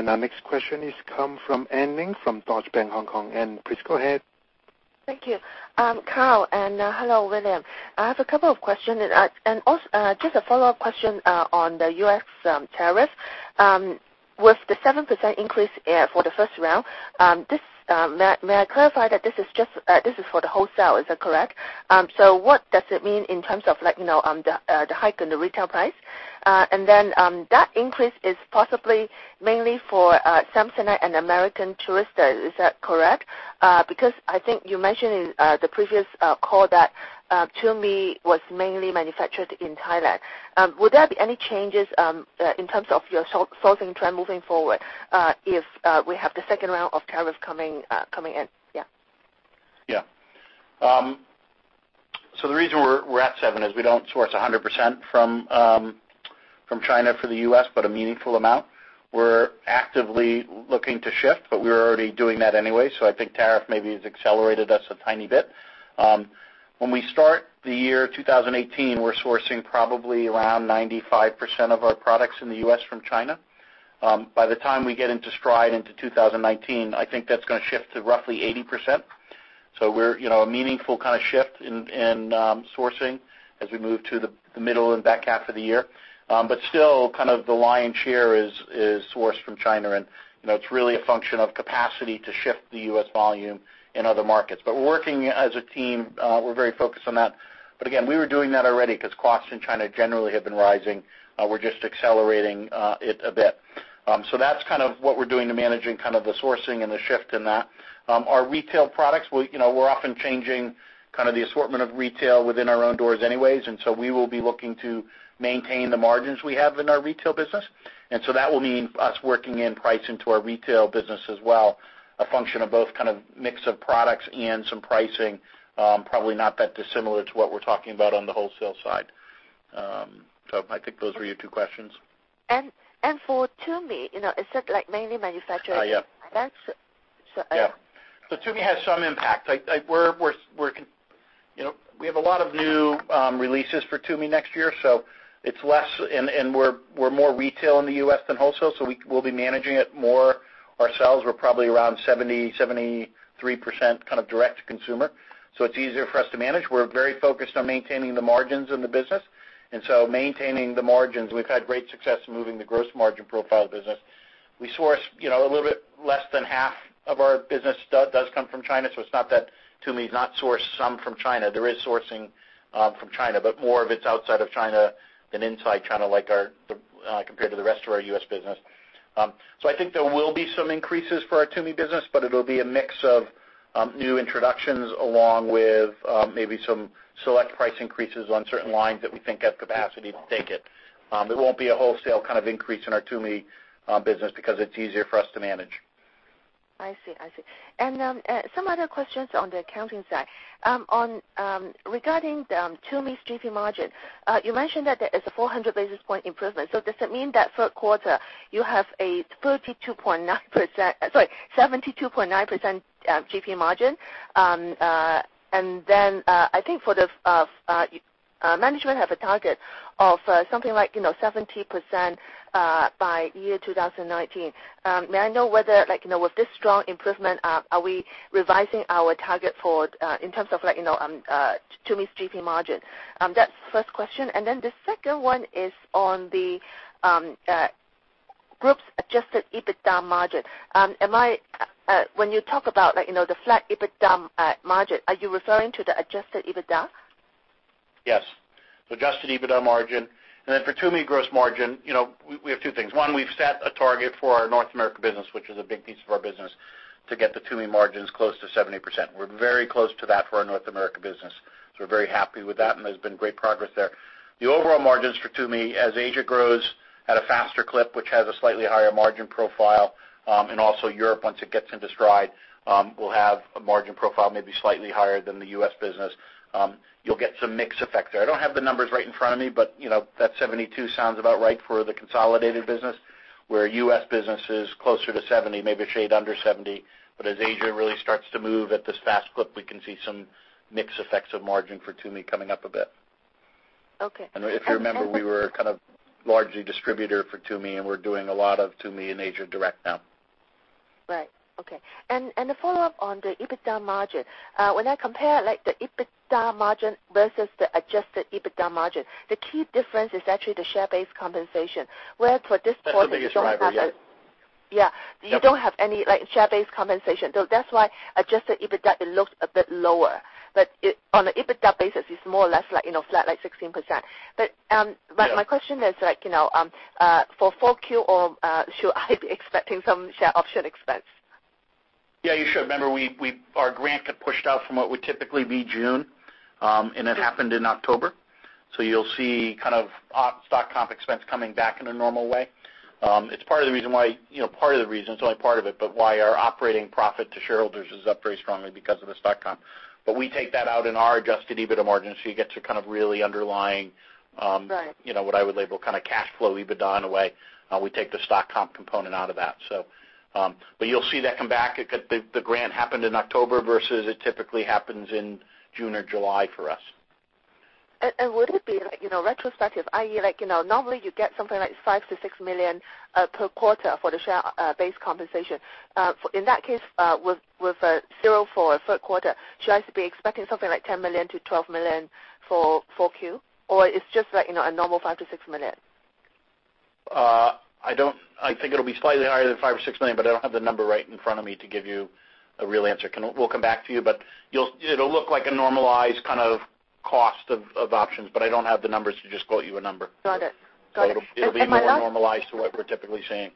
Our next question is come from Anne Ling from Deutsche Bank Hong Kong. Anne, please go ahead. Thank you. I'm Kyle, hello, William. I have a couple of questions, just a follow-up question on the U.S. tariffs. With the 7% increase for the first round, may I clarify that this is for the wholesale, is that correct? What does it mean in terms of the hike in the retail price? Then, that increase is possibly mainly for Samsonite and American Tourister. Is that correct? Because I think you mentioned in the previous call that Tumi was mainly manufactured in Thailand. Will there be any changes in terms of your sourcing trend moving forward if we have the second round of tariffs coming in? Yeah. The reason we're at seven is we don't source 100% from China for the U.S., but a meaningful amount. We're actively looking to shift, but we were already doing that anyway. I think tariff maybe has accelerated us a tiny bit. When we start the year 2018, we're sourcing probably around 95% of our products in the U.S. from China. By the time we get into stride into 2019, I think that's going to shift to roughly 80%. A meaningful kind of shift in sourcing as we move to the middle and back half of the year. Still, the lion's share is sourced from China, and it's really a function of capacity to shift the U.S. volume in other markets. We're working as a team. We're very focused on that. Again, we were doing that already because costs in China generally have been rising. We're just accelerating it a bit. That's what we're doing to managing the sourcing and the shift in that. Our retail products, we're often changing the assortment of retail within our own doors anyways, we will be looking to maintain the margins we have in our retail business. That will mean us working in price into our retail business as well, a function of both mix of products and some pricing, probably not that dissimilar to what we're talking about on the wholesale side. I think those were your two questions. For Tumi, is that mainly manufactured- Yeah. That's Tumi has some impact. We have a lot of new releases for Tumi next year, and we're more retail in the U.S. than wholesale, we'll be managing it more ourselves. We're probably around 70, 73% kind of direct-to-consumer. It's easier for us to manage. We're very focused on maintaining the margins in the business, maintaining the margins, we've had great success in moving the gross margin profile of the business. A little bit less than half of our business does come from China, so it's not that Tumi is not sourced some from China. There is sourcing from China, but more of it's outside of China than inside China, compared to the rest of our U.S. business. I think there will be some increases for our Tumi business, but it'll be a mix of new introductions, along with maybe some select price increases on certain lines that we think have capacity to take it. There won't be a wholesale kind of increase in our Tumi business because it's easier for us to manage. I see. Some other questions on the accounting side. Regarding Tumi's GP margin, you mentioned that there is a 400 basis point improvement. Does that mean that third quarter you have a 32.9%-- sorry, 72.9% GP margin? I think management have a target of something like 70% by year 2019. May I know whether, with this strong improvement, are we revising our target in terms of Tumi's GP margin? That's the first question. The second one is on the group's adjusted EBITDA margin. When you talk about the flat EBITDA margin, are you referring to the adjusted EBITDA? Yes. The adjusted EBITDA margin. For Tumi gross margin, we have two things. One, we've set a target for our North America business, which is a big piece of our business, to get the Tumi margins close to 70%. We're very close to that for our North America business. We're very happy with that, and there's been great progress there. The overall margins for Tumi, as Asia grows at a faster clip, which has a slightly higher margin profile, and also Europe, once it gets into stride, will have a margin profile maybe slightly higher than the U.S. business. You'll get some mix effect there. I don't have the numbers right in front of me, but that 72 sounds about right for the consolidated business, where U.S. business is closer to 70, maybe a shade under 70. As Asia really starts to move at this fast clip, we can see some mix effects of margin for Tumi coming up a bit. Okay. If you remember, we were kind of largely distributor for Tumi, we're doing a lot of Tumi in Asia direct now. Right. Okay. A follow-up on the EBITDA margin. When I compare the EBITDA margin versus the adjusted EBITDA margin, the key difference is actually the share-based compensation, where for this quarter you don't have. That's the biggest driver, yeah. Yeah. You don't have any share-based compensation. That's why adjusted EBITDA, it looks a bit lower, but on an EBITDA basis, it's more or less flat, like 16%. My question is, for 4Q, should I be expecting some share option expense? Yeah, you should. Remember, our grant got pushed out from what would typically be June, and it happened in October. You'll see kind of stock comp expense coming back in a normal way. It's part of the reason why, it's only part of it, but why our operating profit to shareholders is up very strongly because of the stock comp. We take that out in our adjusted EBITDA margin, so you get to kind of really underlying- Right what I would label kind of cash flow EBITDA in a way. We take the stock comp component out of that. You'll see that come back. The grant happened in October versus it typically happens in June or July for us. Would it be retrospective, i.e., normally you get something like five to six million per quarter for the share-based compensation. In that case, with zero for a third quarter, should I be expecting something like $10 million to $12 million for 4Q? Is it just a normal five to six million? I think it'll be slightly higher than five or six million, but I don't have the number right in front of me to give you a real answer. We'll come back to you, but it'll look like a normalized kind of cost of options, but I don't have the numbers to just quote you a number. Got it. It'll be more normalized to what we're typically seeing.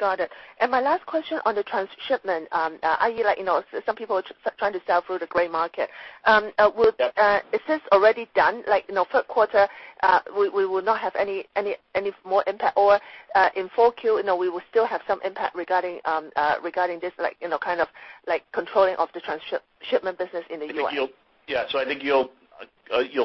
Got it. My last question on the trans-shipment, i.e., some people are trying to sell through the gray market. Is this already done? Like third quarter, we will not have any more impact, or in 4Q, we will still have some impact regarding this kind of controlling of the trans-shipment business in the U.S. Yeah. I think you'll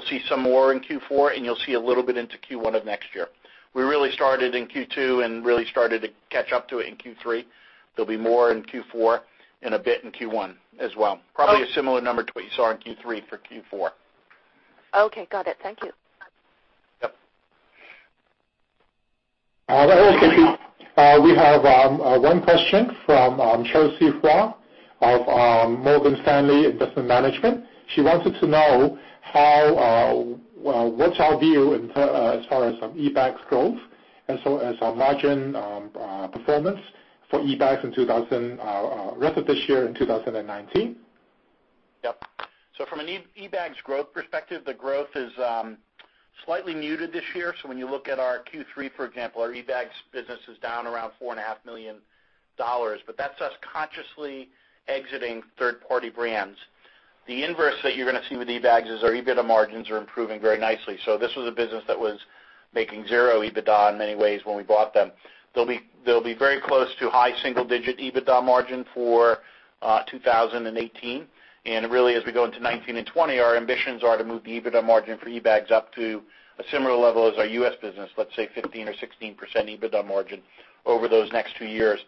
see some more in Q4, and you'll see a little bit into Q1 of next year. We really started in Q2 and really started to catch up to it in Q3. There'll be more in Q4 and a bit in Q1 as well. Probably a similar number to what you saw in Q3 for Q4. Okay. Got it. Thank you. Yep. We have one question from Chelsea Huang of Morgan Stanley Investment Management. She wanted to know what's our view as far as eBags growth, as our margin performance for eBags rest of this year in 2019? Yep. From an eBags growth perspective, the growth is slightly muted this year. When you look at our Q3, for example, our eBags business is down around $4.5 million, but that's us consciously exiting third-party brands. The inverse that you're going to see with eBags is our EBITDA margins are improving very nicely. This was a business that was making zero EBITDA in many ways when we bought them. They'll be very close to high single-digit EBITDA margin for 2018. Really, as we go into 2019 and 2020, our ambitions are to move the EBITDA margin for eBags up to a similar level as our U.S. business, let's say 15% or 16% EBITDA margin over those next two years.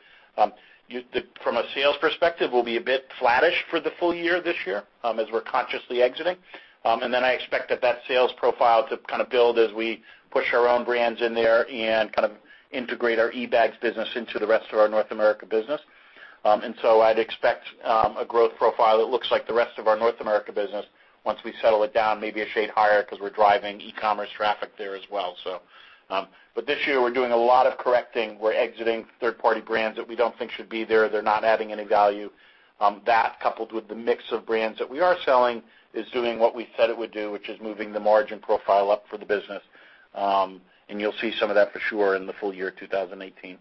From a sales perspective, we'll be a bit flattish for the full year this year as we're consciously exiting. I expect that sales profile to kind of build as we push our own brands in there and kind of integrate our eBags business into the rest of our North America business. I'd expect a growth profile that looks like the rest of our North America business once we settle it down, maybe a shade higher because we're driving e-commerce traffic there as well. This year, we're doing a lot of correcting. We're exiting third-party brands that we don't think should be there. They're not adding any value. That coupled with the mix of brands that we are selling is doing what we said it would do, which is moving the margin profile up for the business. You'll see some of that for sure in the full year 2018.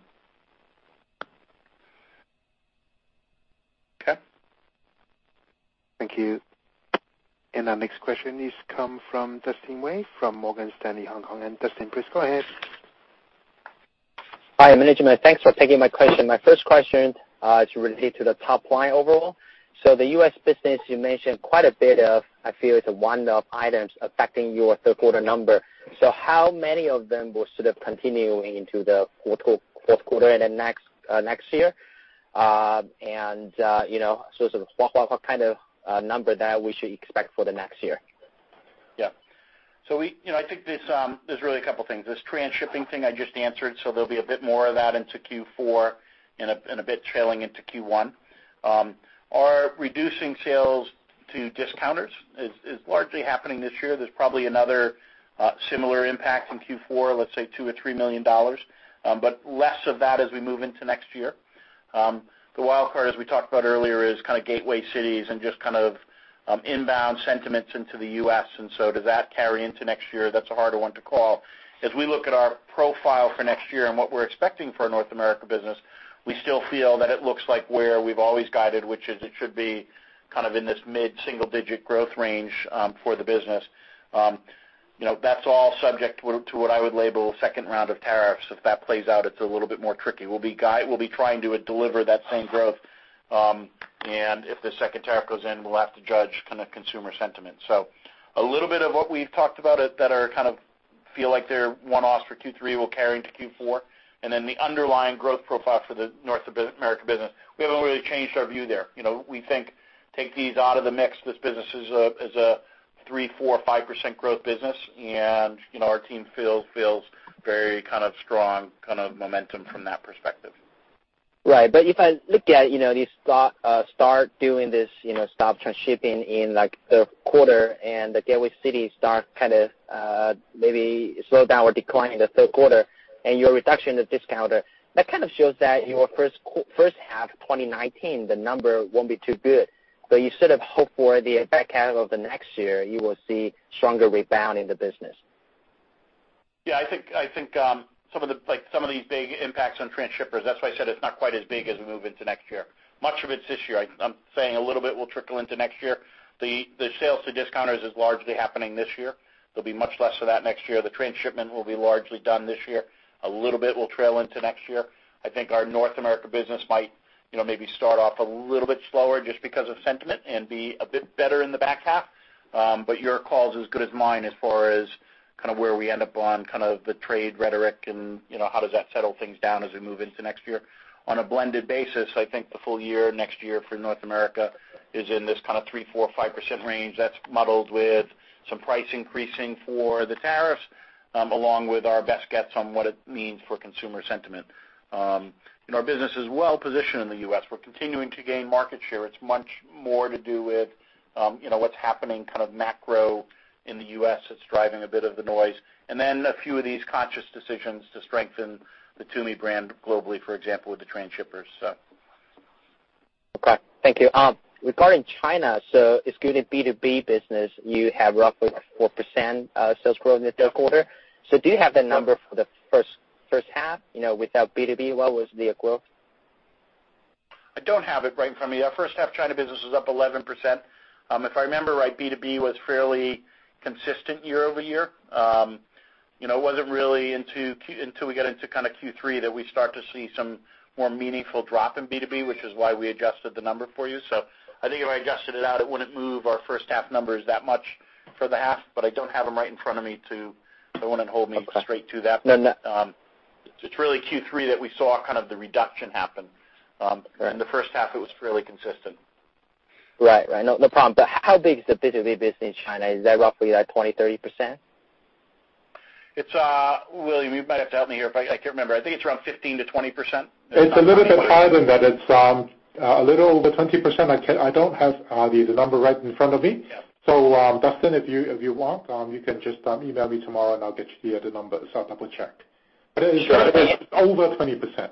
Thank you. Our next question is come from Dustin Wei from Morgan Stanley, Hong Kong. Dustin, please go ahead. Hi, management. Thanks for taking my question. My first question is related to the top line overall. The U.S. business, you mentioned quite a bit of, I feel it's a one-off items affecting your third quarter number. How many of them will sort of continue into the fourth quarter and then next year? Sort of what kind of number that we should expect for the next year? Yeah. I think there's really a couple things. This transshipping thing I just answered, there'll be a bit more of that into Q4 and a bit trailing into Q1. Our reducing sales to discounters is largely happening this year. There's probably another similar impact in Q4, let's say $2 million or $3 million, but less of that as we move into next year. The wild card, as we talked about earlier, is kind of gateway cities and just kind of inbound sentiments into the U.S., does that carry into next year? That's a harder one to call. As we look at our profile for next year and what we're expecting for our North America business, we still feel that it looks like where we've always guided, which is it should be kind of in this mid-single-digit growth range for the business. That's all subject to what I would label a second round of tariffs. If that plays out, it's a little bit more tricky. We'll be trying to deliver that same growth, if the second tariff goes in, we'll have to judge consumer sentiment. A little bit of what we've talked about that are kind of feel like they're one-offs for Q3 will carry into Q4. The underlying growth profile for the North America business, we haven't really changed our view there. We think, take these out of the mix, this business is a three, four, five% growth business, and our team feels very kind of strong, kind of momentum from that perspective. Right. If I look at these start doing this, stop transshipping in like the third quarter and the gateway cities start kind of maybe slow down or decline in the third quarter and your reduction in the discounter, that kind of shows that your first half 2019, the number won't be too good. You sort of hope for the back half of the next year, you will see stronger rebound in the business. Yeah, I think some of these big impacts on transshippers, that's why I said it's not quite as big as we move into next year. Much of it's this year. I'm saying a little bit will trickle into next year. The sales to discounters is largely happening this year. There'll be much less of that next year. The transshipment will be largely done this year. A little bit will trail into next year. I think our North America business might maybe start off a little bit slower just because of sentiment and be a bit better in the back half. Your call is as good as mine as far as kind of where we end up on kind of the trade rhetoric and how does that settle things down as we move into next year. On a blended basis, I think the full year next year for North America is in this kind of three, four, five% range. That's muddled with some price increasing for the tariffs, along with our best guess on what it means for consumer sentiment. Our business is well-positioned in the U.S. We're continuing to gain market share. It's much more to do with what's happening kind of macro in the U.S. that's driving a bit of the noise. Then a few of these conscious decisions to strengthen the Tumi brand globally, for example, with the transshippers. Okay. Thank you. Regarding China, excluding B2B business, you have roughly four% sales growth in the third quarter. Do you have the number for the first half? Without B2B, what was the growth? I don't have it right in front of me. Our first half China business was up 11%. If I remember right, B2B was fairly consistent year-over-year. It wasn't really until we got into Q3 that we start to see some more meaningful drop in B2B, which is why we adjusted the number for you. I think if I adjusted it out, it wouldn't move our first half numbers that much for the half, but I don't have them right in front of me. I wouldn't hold me straight to that. No, no. It's really Q3 that we saw kind of the reduction happen. Right. In the first half, it was fairly consistent. Right. No problem. How big is the B2B business in China? Is that roughly like 20%-30%? William Yue, you might have to help me here if I can't remember. I think it's around 15%-20%. It's a little bit higher than that. It's a little over 20%. I don't have the number right in front of me. Yeah. Dustin Wei, if you want, you can just email me tomorrow, and I'll get you the numbers. I'll double-check. Sure. It's over 20%.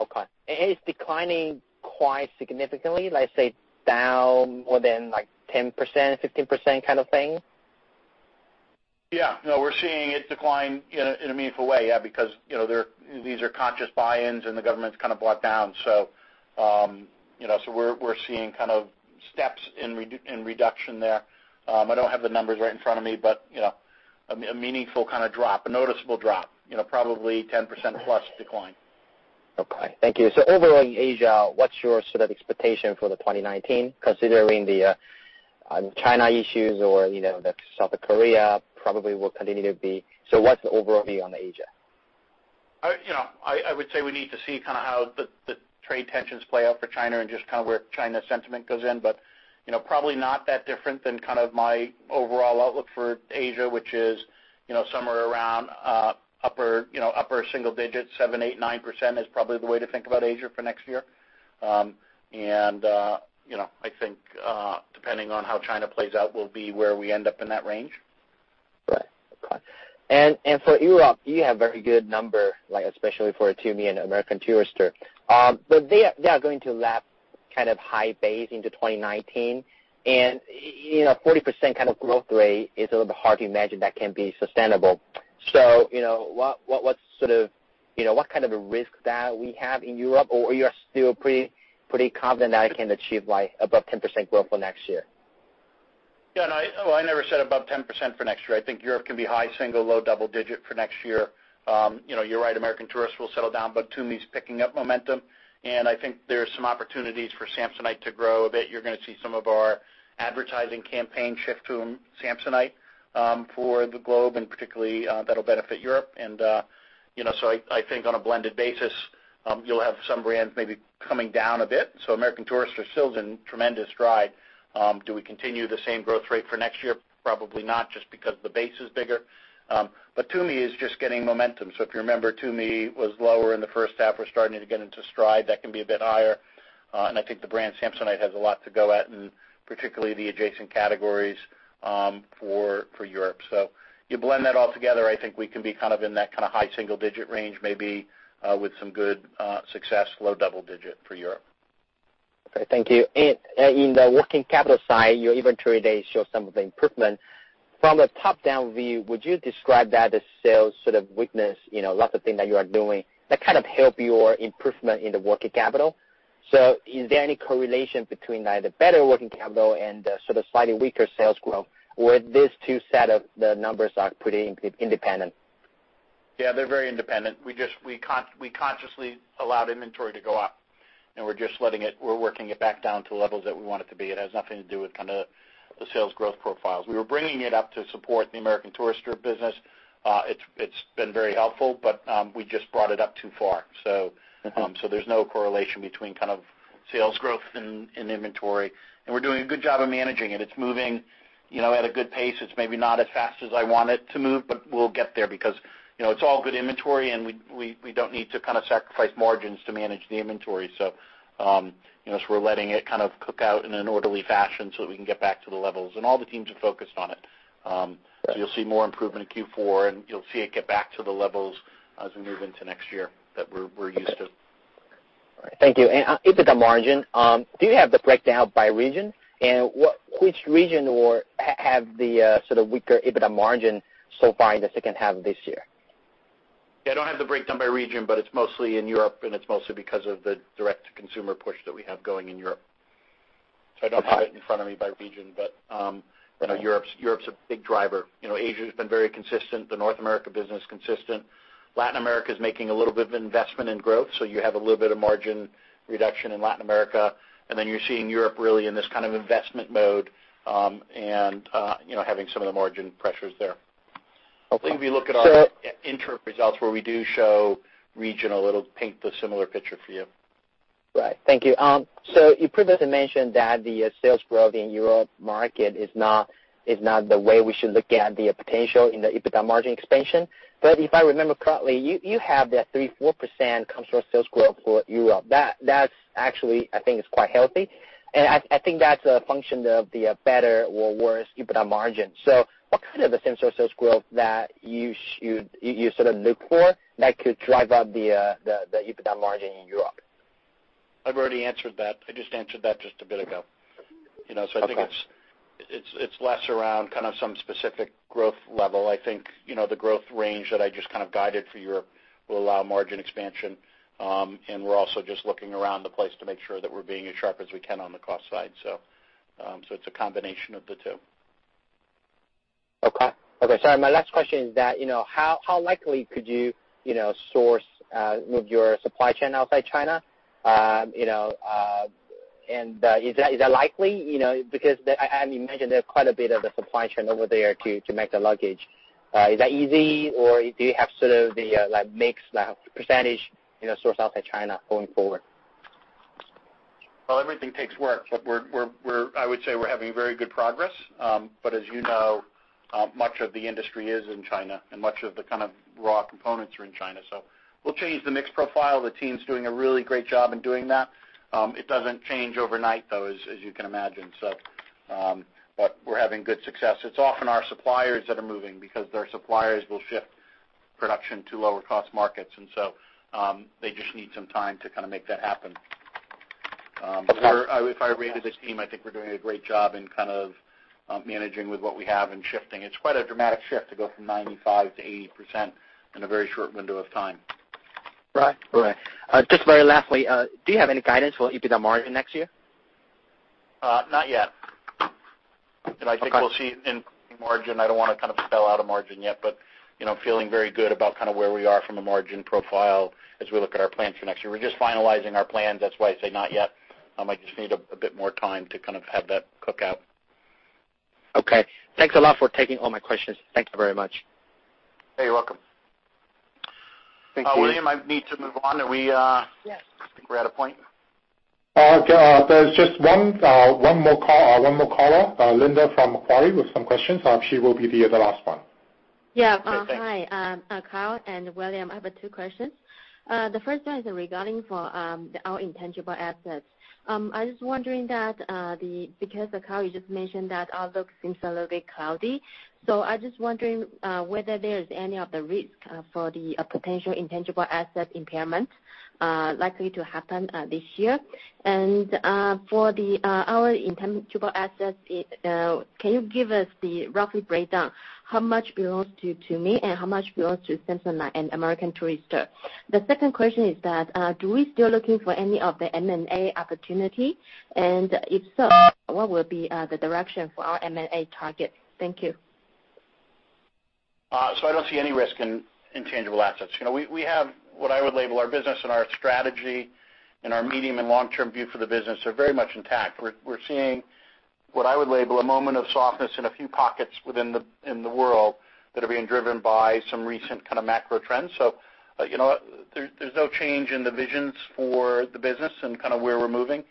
Okay. It's declining quite significantly, let's say, down more than 10%, 15% kind of thing? Yeah. No, we're seeing it decline in a meaningful way, yeah, because these are conscious buy-ins, and the government's kind of bought down. We're seeing kind of steps in reduction there. I don't have the numbers right in front of me, a meaningful kind of drop, a noticeable drop. Probably 10%-plus decline. Okay. Thank you. Overall in Asia, what's your sort of expectation for the 2019, considering the China issues or the South Korea probably will continue to be what's the overall view on Asia? I would say we need to see how the trade tensions play out for China and just where China sentiment goes in. Probably not that different than my overall outlook for Asia, which is somewhere around upper single digits, 7%, 8%, 9% is probably the way to think about Asia for next year. I think depending on how China plays out will be where we end up in that range. Right. Okay. For Europe, you have very good number, especially for Tumi and American Tourister. They are going to lap high base into 2019, and 40% growth rate is a little bit hard to imagine that can be sustainable. What kind of risk do we have in Europe, or are you still pretty confident that it can achieve above 10% growth for next year? Yeah, no. I never said above 10% for next year. I think Europe can be high single, low double digit for next year. You're right, American Tourister will settle down, but Tumi's picking up momentum, and I think there are some opportunities for Samsonite to grow a bit. You're going to see some of our advertising campaign shift to Samsonite for the globe, and particularly, that'll benefit Europe. I think on a blended basis, you'll have some brands maybe coming down a bit. American Tourister's still in tremendous stride. Do we continue the same growth rate for next year? Probably not, just because the base is bigger. Tumi is just getting momentum. If you remember, Tumi was lower in the first half, we're starting to get into stride. That can be a bit higher. I think the brand Samsonite has a lot to go at, particularly the adjacent categories for Europe. You blend that all together, I think we can be in that high single-digit range, maybe with some good success, low double digit for Europe. Okay. Thank you. In the working capital side, your inventory, they show some of the improvement. From a top-down view, would you describe that as sales sort of weakness, lots of things that you are doing that help your improvement in the working capital? Is there any correlation between the better working capital and the slightly weaker sales growth, or these two set of the numbers are pretty independent? Yeah, they're very independent. We consciously allowed inventory to go up, and we're working it back down to levels that we want it to be. It has nothing to do with the sales growth profiles. We were bringing it up to support the American Tourister business. It's been very helpful, but we just brought it up too far. There's no correlation between sales growth and inventory. We're doing a good job of managing it. It's moving at a good pace. It's maybe not as fast as I want it to move, but we'll get there because it's all good inventory, and we don't need to sacrifice margins to manage the inventory. We're letting it cook out in an orderly fashion so that we can get back to the levels, and all the teams are focused on it. Right. You'll see more improvement in Q4, and you'll see it get back to the levels as we move into next year that we're used to. All right. Thank you. EBITDA margin, do you have the breakdown by region? Which region will have the weaker EBITDA margin so far in the second half of this year? I don't have the breakdown by region, it's mostly in Europe, and it's mostly because of the direct-to-consumer push that we have going in Europe. I don't have it in front of me by region, but Europe's a big driver. Asia's been very consistent. The North America business, consistent. Latin America's making a little bit of investment in growth, so you have a little bit of margin reduction in Latin America. You're seeing Europe really in this investment mode and having some of the margin pressures there. Okay. I think if you look at our interim results where we do show regional, it'll paint the similar picture for you. Right. Thank you. You previously mentioned that the sales growth in Europe market is not the way we should look at the potential in the EBITDA margin expansion. If I remember correctly, you have that 3%-4% consumer sales growth for Europe. That actually, I think, is quite healthy, and I think that's a function of the better or worse EBITDA margin. What kind of a same sales growth that you should look for that could drive up the EBITDA margin in Europe? I've already answered that. I just answered that just a bit ago. Okay. I think it's less around some specific growth level. I think the growth range that I just guided for Europe will allow margin expansion. We're also just looking around the place to make sure that we're being as sharp as we can on the cost side. It's a combination of the two. Okay. Sorry, my last question is that, how likely could you source with your supply chain outside China? Is that likely? Because I imagine there's quite a bit of the supply chain over there to make the luggage. Is that easy, or do you have the mixed percentage sourced outside China going forward? Well, everything takes work, I would say we're having very good progress. As you know, much of the industry is in China, and much of the raw components are in China. We'll change the mix profile. The team's doing a really great job in doing that. It doesn't change overnight, though, as you can imagine. We're having good success. It's often our suppliers that are moving because their suppliers will shift production to lower cost markets, they just need some time to make that happen. If I rated this team, I think we're doing a great job in managing with what we have and shifting. It's quite a dramatic shift to go from 95% to 80% in a very short window of time. Right. Just very lastly, do you have any guidance for EBITDA margin next year? Not yet. Okay. I think we'll see in margin, I don't want to spell out a margin yet, but feeling very good about where we are from a margin profile as we look at our plans for next year. We're just finalizing our plans. That's why I say not yet. I just need a bit more time to have that cook out. Okay. Thanks a lot for taking all my questions. Thank you very much. Hey, you're welcome. Thank you. William, I need to move on. Yes. I think we're at a point. There's just one more caller, Linda from Macquarie, with some questions. She will be the last one. Yeah. Okay, thanks. Hi, Kyle and William. I have two questions. The first one is regarding for our intangible assets. I was wondering that because, Kyle, you just mentioned that outlook seems a little bit cloudy. I was just wondering whether there is any of the risk for the potential intangible asset impairment likely to happen this year. For our intangible assets, can you give us the roughly breakdown, how much belongs to Tumi and how much belongs to Samsonite and American Tourister? The second question is that, do we still looking for any of the M&A opportunity? If so, what will be the direction for our M&A target? Thank you. I don't see any risk in tangible assets. We have what I would label our business and our strategy and our medium and long-term view for the business are very much intact. We're seeing what I would label a moment of softness in a few pockets within the world that are being driven by some recent kind of macro trends. There's no change in the visions for the business and kind of where we're moving.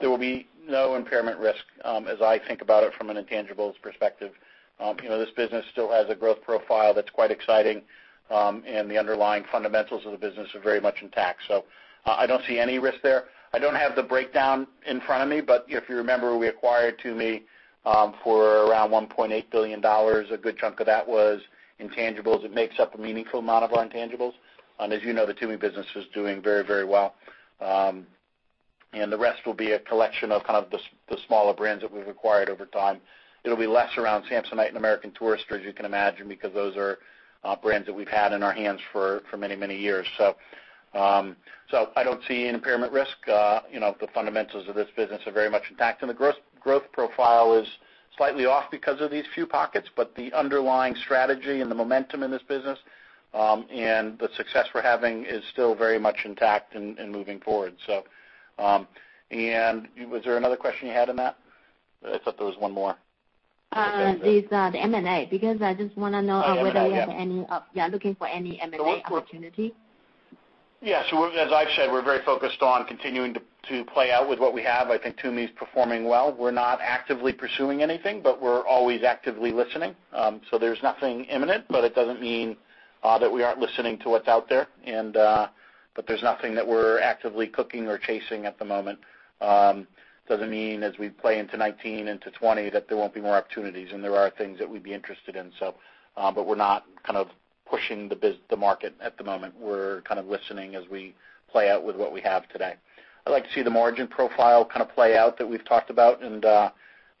There will be no impairment risk, as I think about it from an intangibles perspective. This business still has a growth profile that's quite exciting, and the underlying fundamentals of the business are very much intact. I don't see any risk there. I don't have the breakdown in front of me, but if you remember, we acquired Tumi for around $1.8 billion. A good chunk of that was intangibles. It makes up a meaningful amount of our intangibles. As you know, the Tumi business was doing very well. The rest will be a collection of kind of the smaller brands that we've acquired over time. It'll be less around Samsonite and American Tourister, as you can imagine, because those are brands that we've had in our hands for many years. I don't see an impairment risk. The fundamentals of this business are very much intact, and the growth profile is slightly off because of these few pockets, but the underlying strategy and the momentum in this business, and the success we're having is still very much intact and moving forward. Was there another question you had in that? I thought there was one more. It's the M&A, because I just want to know. M&A, yeah. whether you have any, yeah, looking for any M&A opportunity. Yeah. As I've said, we're very focused on continuing to play out with what we have. I think Tumi's performing well. We're not actively pursuing anything, but we're always actively listening. There's nothing imminent, but it doesn't mean that we aren't listening to what's out there. There's nothing that we're actively cooking or chasing at the moment. Doesn't mean as we play into 2019, into 2020, that there won't be more opportunities, and there are things that we'd be interested in. We're not kind of pushing the market at the moment. We're kind of listening as we play out with what we have today. I'd like to see the margin profile kind of play out that we've talked about, and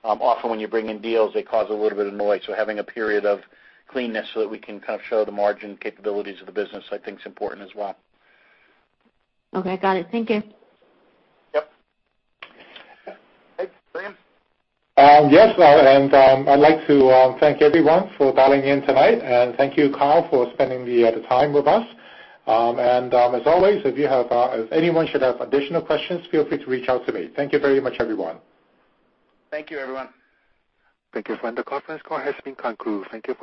often when you bring in deals, they cause a little bit of noise. Having a period of cleanness so that we can kind of show the margin capabilities of the business I think is important as well. Okay, got it. Thank you. Yep. Hey, Brian. Yes, I'd like to thank everyone for dialing in tonight, and thank you, Kyle, for spending the time with us. As always, if anyone should have additional questions, feel free to reach out to me. Thank you very much, everyone. Thank you, everyone. Thank you. The conference call has been concluded.